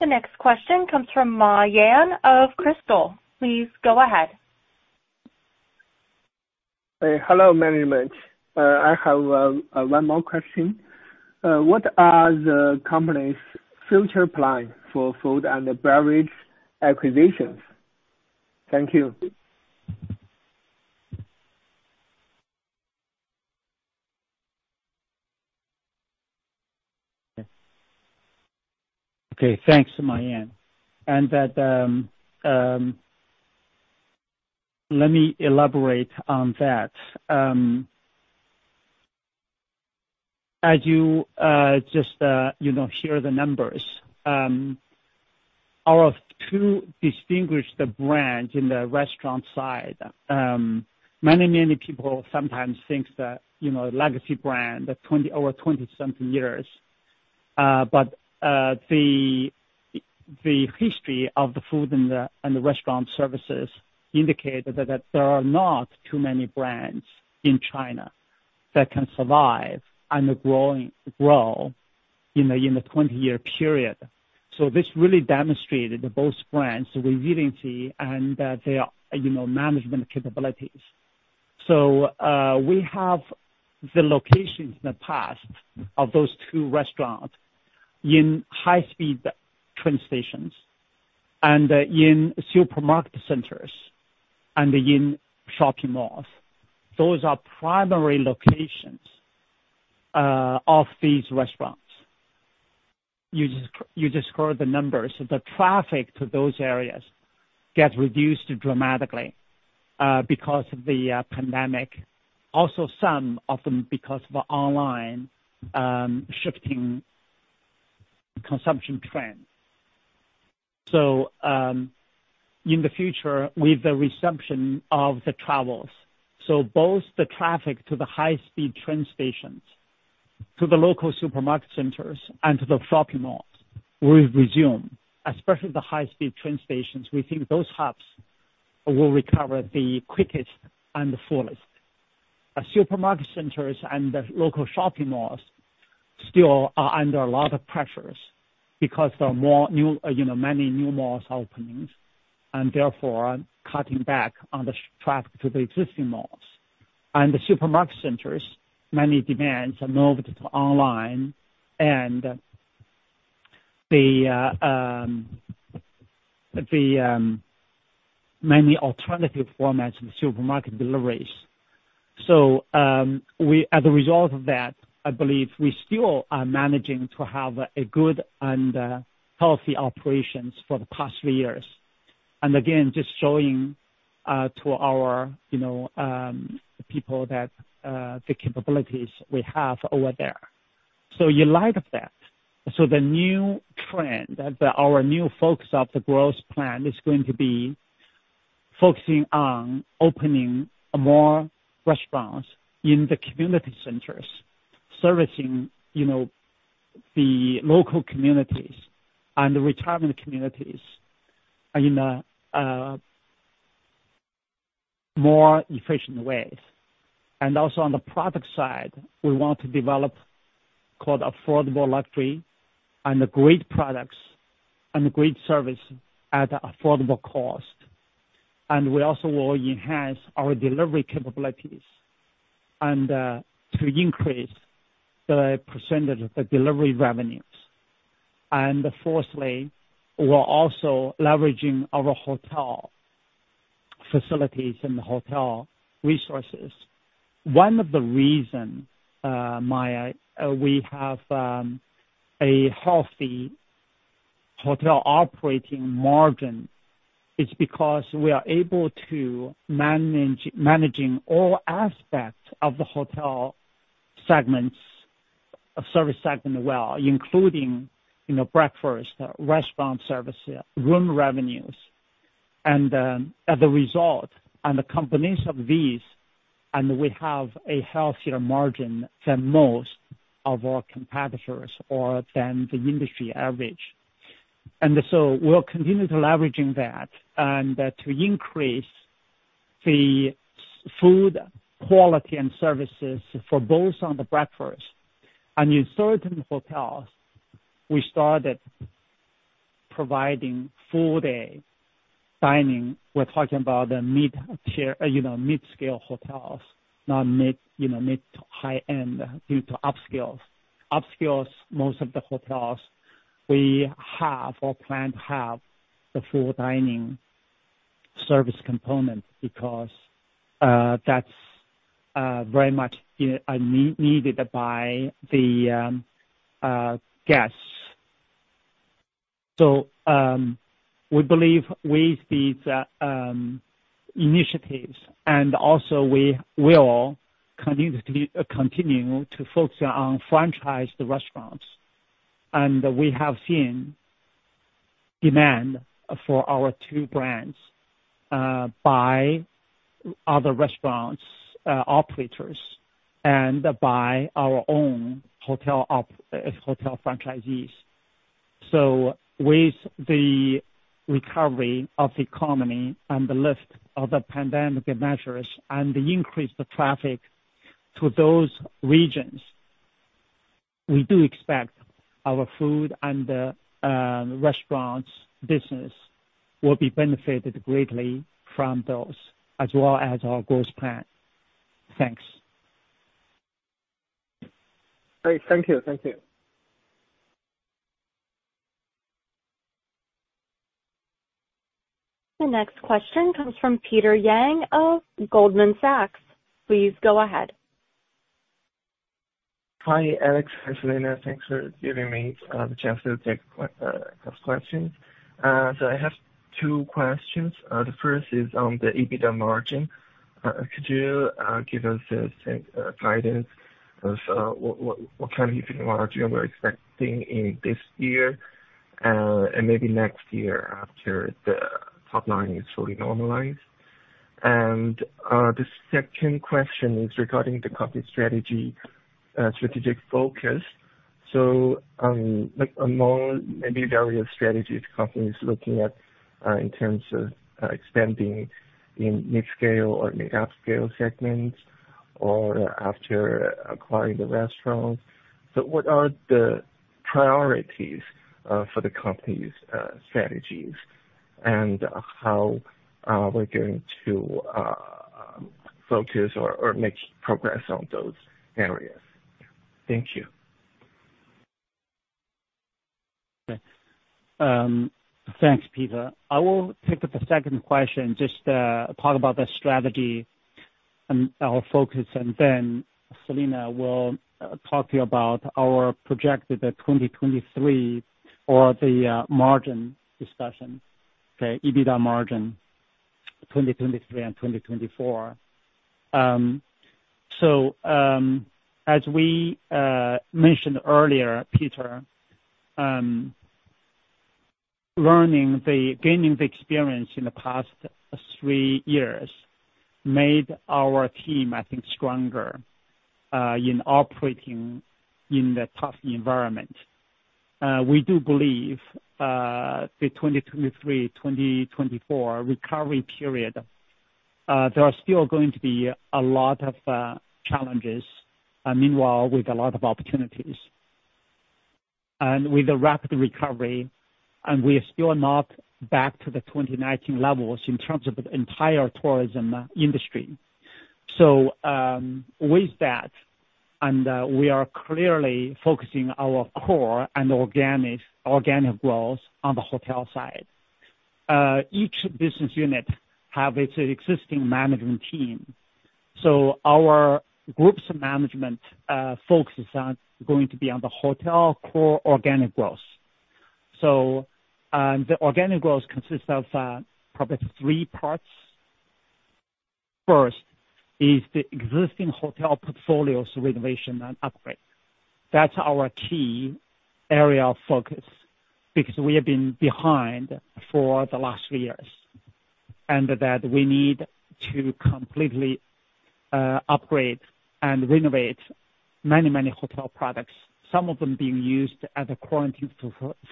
The next question comes from Ma Yan of Crystal. Please go ahead. Hey. Hello, management. I have one more question. What are the company's future plans for food and beverage acquisitions? Thank you. Okay. Thanks, Ma Yan. Let me elaborate on that. As you know, hear the numbers. Our two distinguished brand in the restaurant side, many people sometimes think that, you know, legacy brand of over 20 something years. The history of the food and the restaurant services indicate that there are not too many brands in China that can survive and grow in the 20-year period. This really demonstrated that both brands resiliency and their, you know, management capabilities. We have the locations in the past of those two restaurants in high-speed train stations and in supermarket centers and in shopping malls. Those are primary locations of these restaurants. You just heard the numbers. The traffic to those areas gets reduced dramatically because of the pandemic. Some of them because of online shifting consumption trends. In the future, with the resumption of the travels. Both the traffic to the high-speed train stations, to the local supermarket centers, and to the shopping malls will resume, especially the high-speed train stations. We think those hubs will recover the quickest and the fullest. Supermarket centers and the local shopping malls still are under a lot of pressures because there are more new, you know, many new malls openings and therefore cutting back on the traffic to the existing malls. The supermarket centers, many demands are moved to online and many alternative formats in the supermarket deliveries. We as a result of that, I believe we still are managing to have a good and healthy operations for the past three years. Again, just showing to our, you know, people that the capabilities we have over there. In light of that, the new trend that our new focus of the growth plan is going to be focusing on opening more restaurants in the community centers, servicing, you know, the local communities and retirement communities in a more efficient ways. Also on the product side, we want to develop called affordable luxury and great products and great service at affordable cost. We also will enhance our delivery capabilities and to increase the percentage of the delivery revenues. Fourthly, we're also leveraging our hotel facilities and hotel resources. One of the reason, Ma Ya, we have a healthy hotel operating margin, is because we are able to managing all aspects of the hotel segments of service segment well, including, you know, breakfast, restaurant service, room revenues. As a result, and the combination of these, and we have a healthier margin than most of our competitors or than the industry average. We'll continue to leveraging that and to increase the food quality and services for both on the breakfast. In certain hotels, we started providing full day dining. We're talking about the mid-tier, you know, mid-scale hotels, not mid, you know, mid-to-high-end due to upscales. Upscales, most of the hotels we have or plan to have the full dining service component because, that's very much, you know, needed by the guests. We believe with these initiatives and also we will continue to focus on franchised restaurants. And we have seen demand for our two brands by other restaurants operators and by our own hotel franchisees. With the recovery of the economy and the lift of the pandemic measures and the increase of traffic to those regions, we do expect our food and restaurants business will be benefited greatly from those, as well as our growth plan. Thanks. Great. Thank you. Thank you. The next question comes from Peter Yang of Goldman Sachs. Please go ahead. Hi, Alex. Hi, Selina. Thanks for giving me the chance to ask questions. I have two questions. The first is on the EBITDA margin. Could you give us the same guidance as what kind of EBITDA margin we're expecting in this year and maybe next year after the top line is fully normalized? The second question is regarding the company strategy, strategic focus. Like among maybe the area of strategies the company is looking at, in terms of extending in midscale or maybe upscale segments or after acquiring the restaurant. What are the priorities for the company's strategies, and how are we going to focus or make progress on those areas? Thank you. Okay. Thanks, Peter. I will take up the second question, just talk about the strategy and our focus, and then Selina will talk to you about our projected 2023 or the margin discussion. Okay? EBITDA margin, 2023 and 2024. As we mentioned earlier, Peter, gaining the experience in the past three years made our team, I think, stronger in operating in the tough environment. We do believe the 2023, 2024 recovery period, there are still going to be a lot of challenges, meanwhile with a lot of opportunities. With a rapid recovery, and we are still not back to the 2019 levels in terms of the entire tourism industry. With that, we are clearly focusing our core and organic growth on the hotel side. Each business unit have its existing management team. Our group's management focus is going to be on the hotel core organic growth. The organic growth consists of probably three parts. First is the existing hotel portfolios renovation and upgrade. That's our key area of focus because we have been behind for the last three years, and that we need to completely upgrade and renovate many hotel products, some of them being used as a quarantine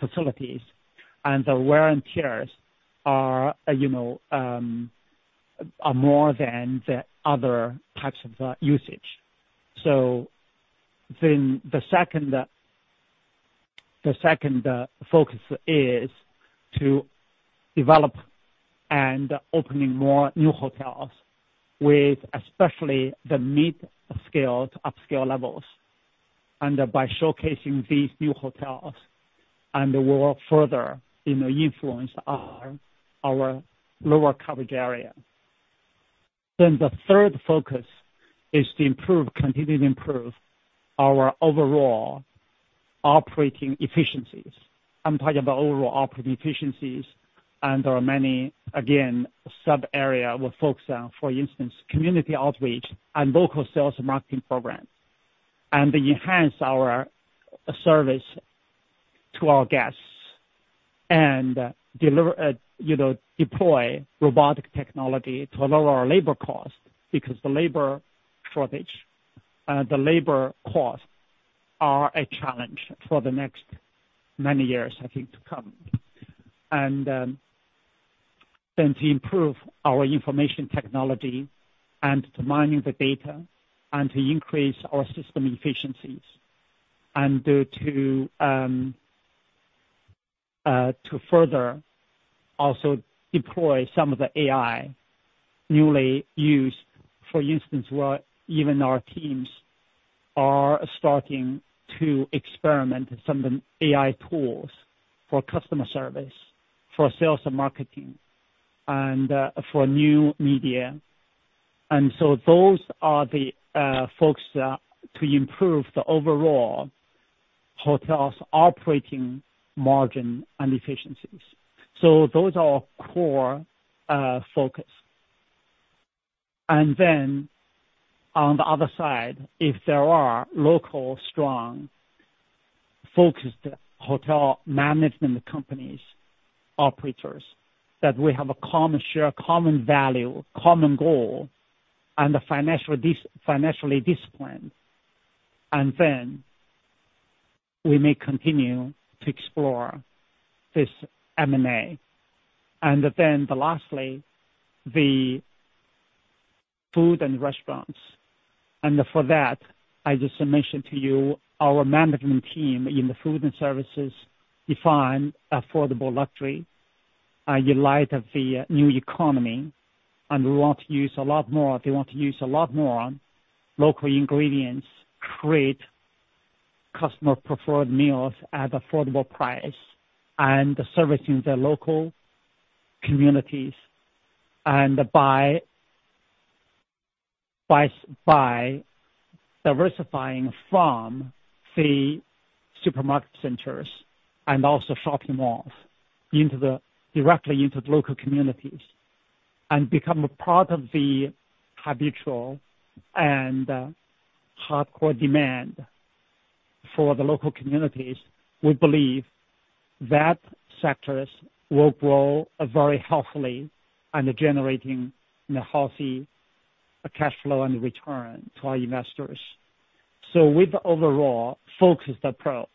facilities, and the wear and tears are, you know, are more than the other types of usage. The second focus is to develop and opening more new hotels with especially the mid-scale to upscale levels, and by showcasing these new hotels, and we'll further, you know, influence our lower coverage area. The third focus is to improve, continue to improve our overall operating efficiencies. I'm talking about overall operating efficiencies and our many, again, sub-area we focus on, for instance, community outreach and local sales and marketing programs, and enhance our service to our guests and deliver, you know, deploy robotic technology to lower our labor cost because the labor shortage, the labor costs are a challenge for the next many years, I think, to come. to improve our information technology and to mining the data and to increase our system efficiencies to further also deploy some of the AI newly used. For instance, where even our teams are starting to experiment some of the AI tools for customer service, for sales and marketing, and for new media. Those are the focus to improve the overall hotel's operating margin and efficiencies. Those are our core focus. Then on the other side, if there are local, strong, focused hotel management companies, operators, that we have a common share, common value, common goal and the financially disciplined, then we may continue to explore this M&A. Lastly, the food and restaurants. For that, I just mention to you, our management team in the food and services define affordable luxury in light of the new economy. We want to use a lot more, they want to use a lot more on local ingredients, create customer preferred meals at affordable price and servicing their local communities. By diversifying from the supermarket centers and also shopping malls into the, directly into the local communities and become a part of the habitual and hardcore demand for the local communities, we believe that sectors will grow very healthily and generating a healthy cash flow and return to our investors. With the overall focused approach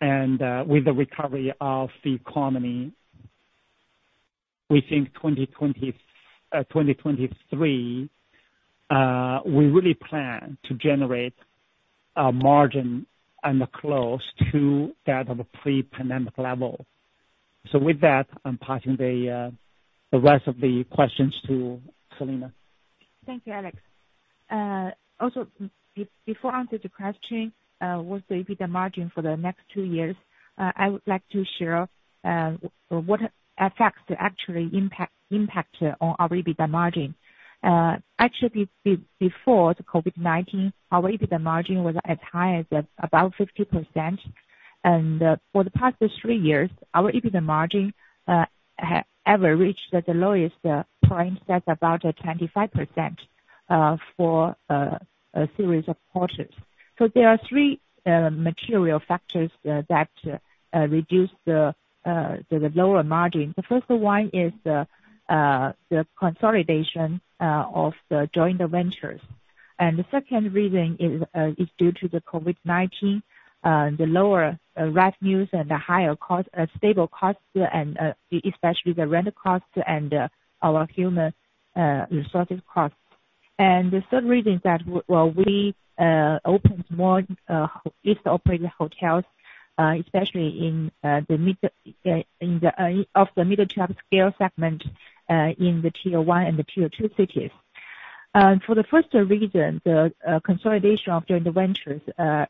and with the recovery of the economy, we think 2020, 2023, we really plan to generate a margin and close to that of a pre-pandemic level. With that, I'm passing the rest of the questions to Selina. Thank you, Alex. Also before I answer the question, what's the EBITDA margin for the next two years, I would like to share what effects actually impact on our EBITDA margin. Actually before the COVID-19, our EBITDA margin was as high as about 50%. For the past three years, our EBITDA margin have ever reached at the lowest point that's about 25% for a series of quarters. There are three material factors that reduce the lower margin. The first one is the consolidation of the joint ventures. The second reason is due to the COVID-19, the lower revenues and the higher cost, stable costs, and especially the rental costs and our human resources costs. The third reason is that well, we opened more lease-operated hotels, especially in the mid of the mid tier scale segment, in the Tier I and Tier II cities. For the first reason, the consolidation of joint ventures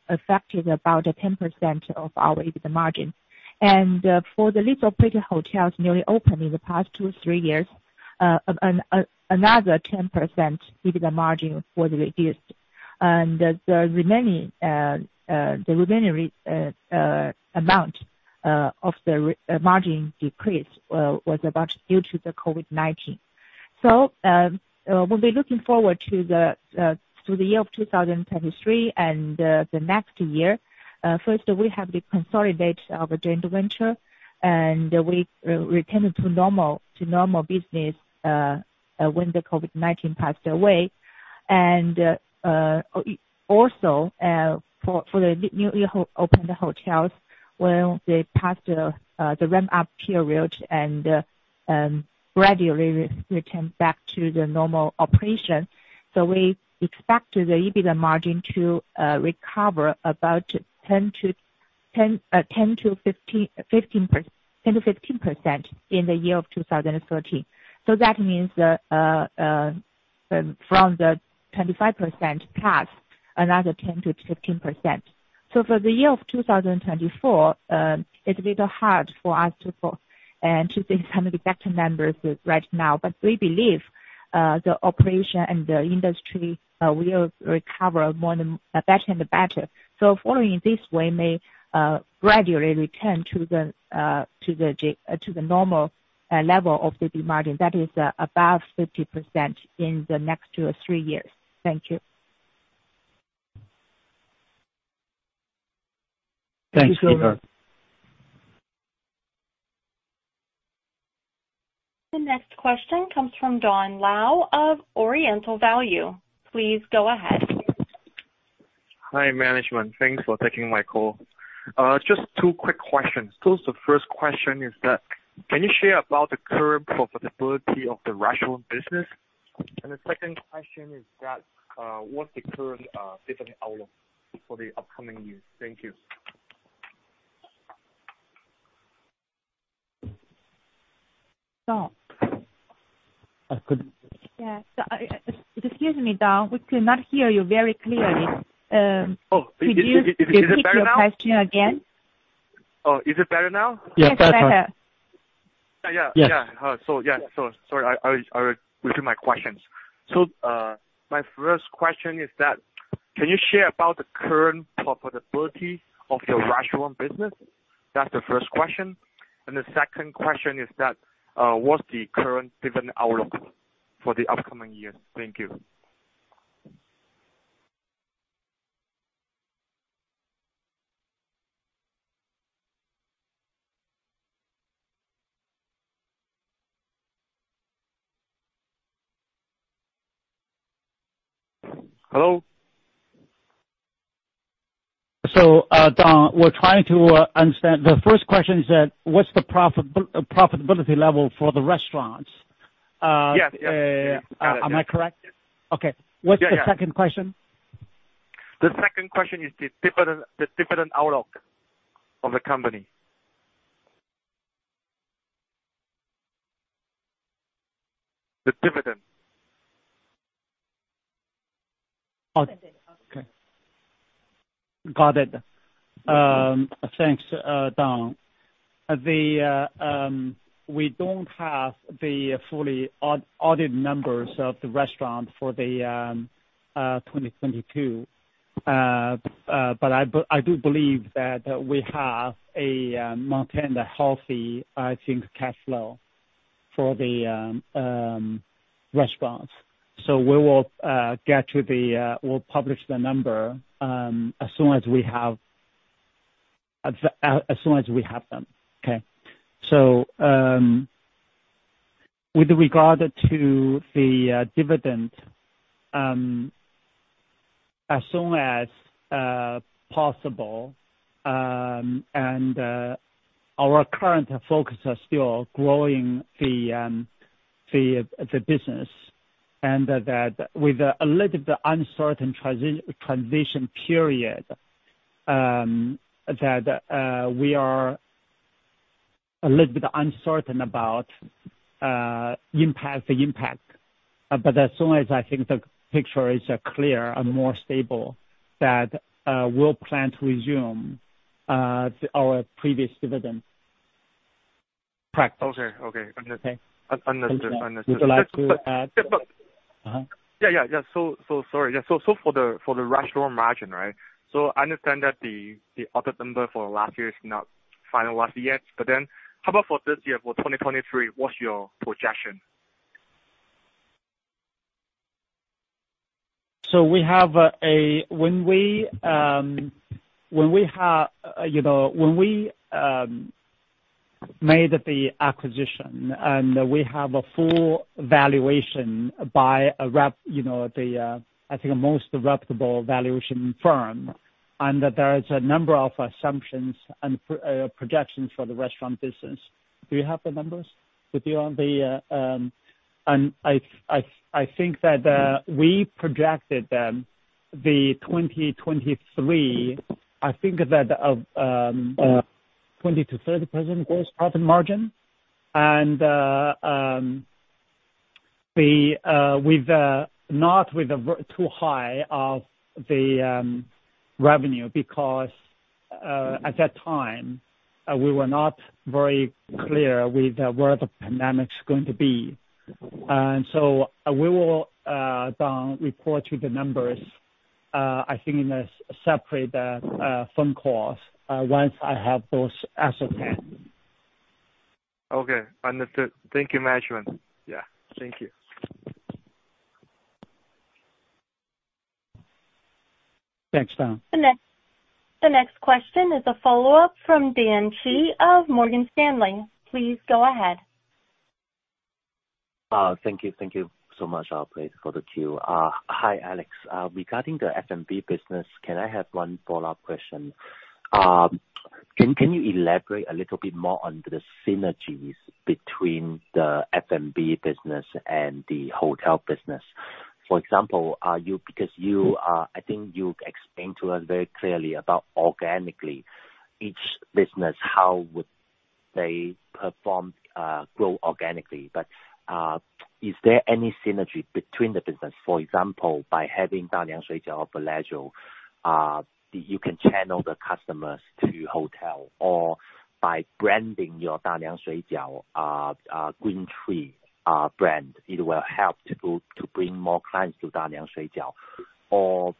affected about 10% of our EBITDA margin. For the lease-operated hotels newly opened in the past two, three years, another 10% EBITDA margin was reduced. The remaining amount of the margin decrease was about due to the COVID-19. We'll be looking forward to the year of 2023 and the next year. First, we have the consolidate of a joint venture, and we return to normal business when the COVID-19 passed away. Also, for the newly opened hotels, when they pass the ramp up period and gradually return back to the normal operation. We expect the EBITDA margin to recover about 10%-15% in 2030. That means from the 25% past another 10%-15%. For 2024, it's a little hard for us to determine the exact numbers right now. We believe the operation and the industry will recover more than better and better. Following this, we may gradually return to the normal level of EBITDA margin that is above 50% in the next two or three years. Thank you. Thanks, Selina. The next question comes from Don Lau of Oriental Value. Please go ahead. Hi, management. Thanks for taking my call. Just two quick questions. The first question is that, can you share about the current profitability of the restaurant business? The second question is that, what's the current dividend outlook for the upcoming years? Thank you. Don. I couldn't- Yeah. excuse me, Don, we could not hear you very clearly. Oh, is it better now? Repeat your question again? Oh, is it better now? Yes, better. Yes, better. Yeah. Yeah. Yes. Yeah, sorry. I'll repeat my questions. My first question is that-.Can you share about the current profitability of your restaurant business? That's the first question. The second question is that, what's the current dividend outlook for the upcoming years? Thank you. Hello? Don, we're trying to understand. The first question is that, what's the profitability level for the restaurants? Yes. Yes. Am I correct? Yes. Okay. Yeah. Yeah. What's the second question? The second question is the dividend outlook of the company. The dividend. Okay. Got it. Thanks, Don. We don't have the fully audited numbers of the restaurant for the 2022. I do believe that we have maintained a healthy, I think, cash flow for the restaurants. We will get to the. We'll publish the number as soon as we have them. Okay. With regard to the dividend as soon as possible, our current focus are still growing the business and that with a little bit uncertain transition period that we are a little bit uncertain about impact, the impact. As soon as I think the picture is clear and more stable, that we'll plan to resume our previous dividend practice. Okay. Okay. Understood. Okay. Understood. Understood. Would you like to add? Yeah. Uh-huh. Yeah. Sorry. Yeah. For the restaurant margin, right? I understand that the audit number for last year is not finalized yet. How about for this year, for 2023, what's your projection? We have... When we have, you know, made the acquisition and we have a full valuation by a rep, you know, the, I think most reputable valuation firm. There is a number of assumptions and projections for the restaurant business. Do you have the numbers with you on the? I think that we projected them the 2023, I think that 20%-30% gross profit margin and the with not with the too high of the revenue because at that time, we were not very clear with where the pandemic is going to be. We will, Don, report to the numbers, I think in a separate phone call, once I have those as of yet. Okay. Understood. Thank you, Management. Yeah. Thank you. Thanks, Don. The next question is a follow-up from Dan Gee of Morgan Stanley. Please go ahead. Thank you. Thank you so much. I'll wait for the queue. Hi, Alex. Regarding the F&M business, can I have one follow-up question? Can you elaborate a little bit more on the synergies between the F&M business and the hotel business? For example, because you are, I think you explained to us very clearly about organically each business, how would they perform, grow organically. Is there any synergy between the business? For example, by having Da Niang Shuijiao and Bellagio, you can channel the customers to hotel or by branding your Da Niang Shuijiao, GreenTree brand, it will help to bring more clients to Da Niang Shuijiao. Or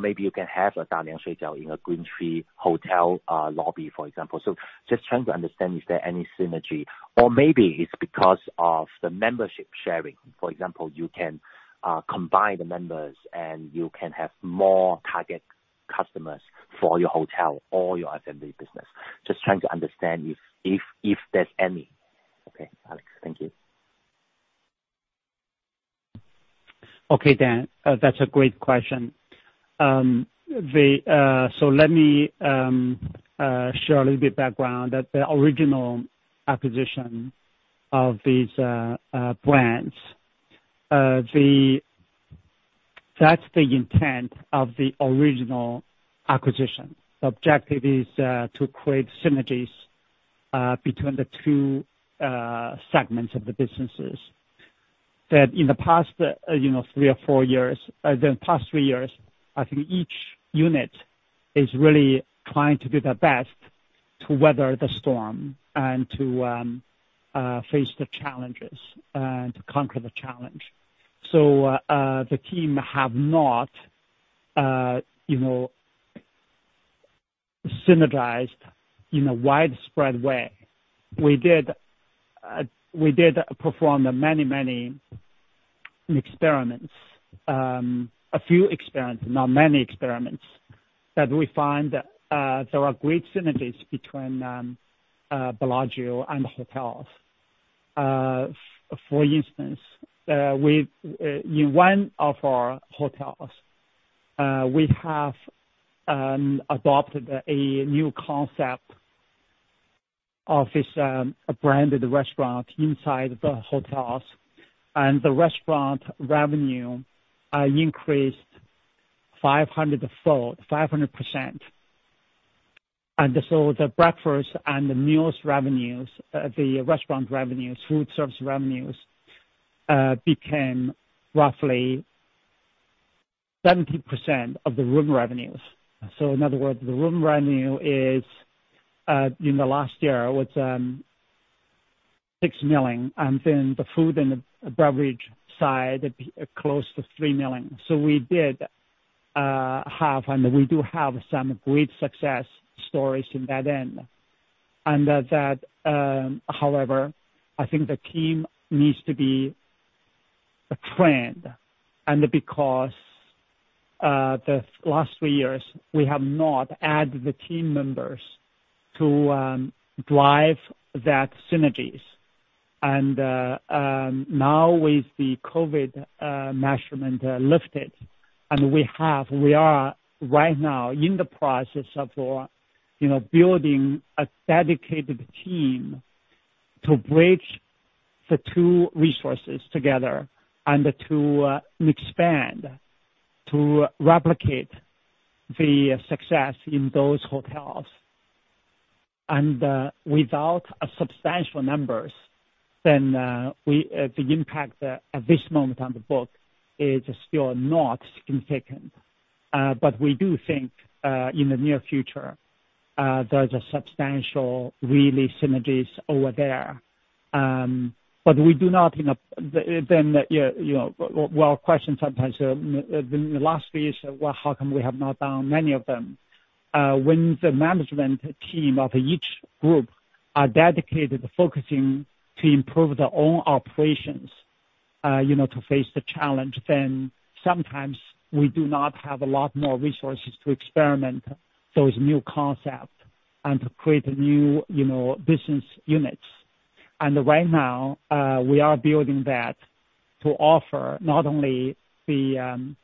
maybe you can have a Da Niang Shuijiao in a GreenTree hotel, lobby, for example. Just trying to understand if there any synergy. maybe it's because of the membership sharing. For example, you can combine the members and you can have more target customers for your hotel or your F&M business. Just trying to understand if there's any. Okay, Alex. Thank you. Okay, Dan. That's a great question. Let me share a little bit background. The original acquisition of these brands. That's the intent of the original acquisition. The objective is to create synergies between the two segments of the businesses. In the past, you know, three or four years, the past three years, I think each unit is really trying to do their best to weather the storm and to face the challenges and to conquer the challenge. The team have not, you know, synergized in a widespread way. We did perform many, many experiments, a few experiments, now many experiments that we find there are great synergies between Bellagio and hotels. For instance. In one of our hotels, we have adopted a new concept of this branded restaurant inside the hotels. The restaurant revenue increased 500-fold, 500%. The breakfast and the meals revenues, the restaurant revenues, food service revenues, became roughly 70% of the room revenues. In other words, the room revenue is in the last year was 6 million, the food and beverage side close to 3 million. We did have, and we do have some great success stories in that end. However, I think the team needs to be a trend and because the last three years we have not add the team members to drive that synergies. Now with the COVID-19 measurement lifted, we have. We are right now in the process of, you know, building a dedicated team to bridge the two resources together and to expand, to replicate the success in those hotels. Without a substantial numbers then, we, the impact at this moment on the book is still not significant. We do think, in the near future, there's a substantial really synergies over there. We do not, you know, then, you know, well question sometimes, in the last few years, well, how come we have not done many of them? When the management team of each group are dedicated to focusing to improve their own operations, you know, to face the challenge, then sometimes we do not have a lot more resources to experiment those new concepts and to create new, you know, business units. Right now, we are building that to offer not only the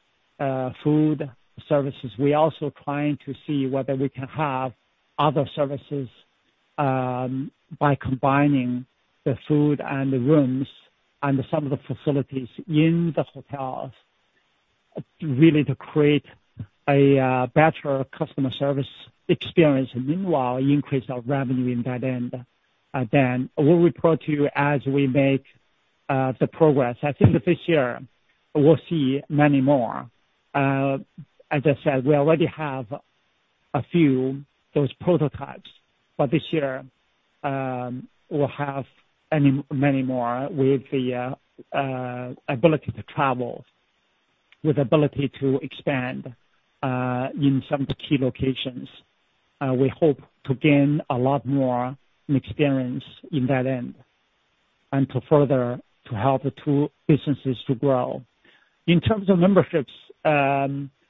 food services, we also trying to see whether we can have other services by combining the food and the rooms and some of the facilities in the hotels really to create a better customer service experience. Meanwhile, increase our revenue in that end, then we'll report to you as we make the progress. I think this year we'll see many more. As I said, we already have a few those prototypes, but this year, we'll have many, many more with the ability to travel, with ability to expand in some key locations. We hope to gain a lot more experience in that end and to further to help the two businesses to grow. In terms of memberships,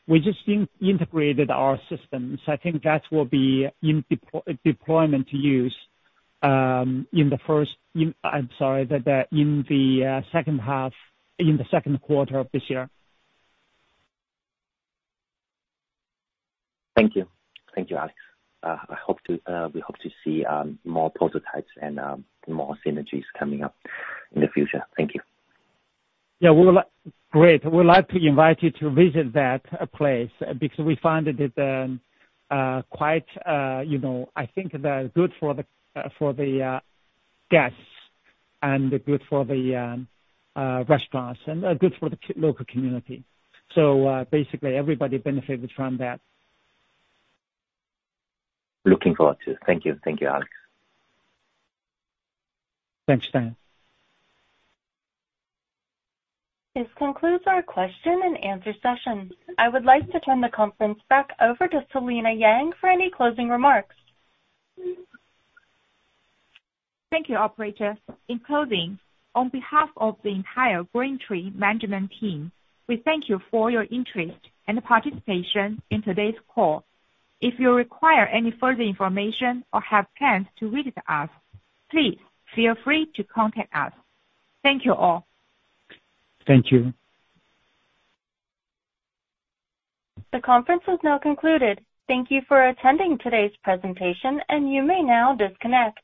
we just integrated our systems. I think that will be in deployment use in the Q2 of this year. Thank you. Thank you, Alex Xu. We hope to see more prototypes and more synergies coming up in the future. Thank you. Yeah. Great. We would like to invite you to visit that place because we find it quite, you know, I think good for the guests and good for the restaurants and good for the local community. Basically everybody benefits from that. Looking forward to it. Thank you. Thank you, Alex. Thanks. This concludes our question and answer session. I would like to turn the conference back over to Selina Yang for any closing remarks. Thank you, operator. In closing, on behalf of the entire GreenTree management team, we thank you for your interest and participation in today's call. If you require any further information or have plans to visit us, please feel free to contact us. Thank you all. Thank you. The conference is now concluded. Thank you for attending today's presentation. You may now disconnect.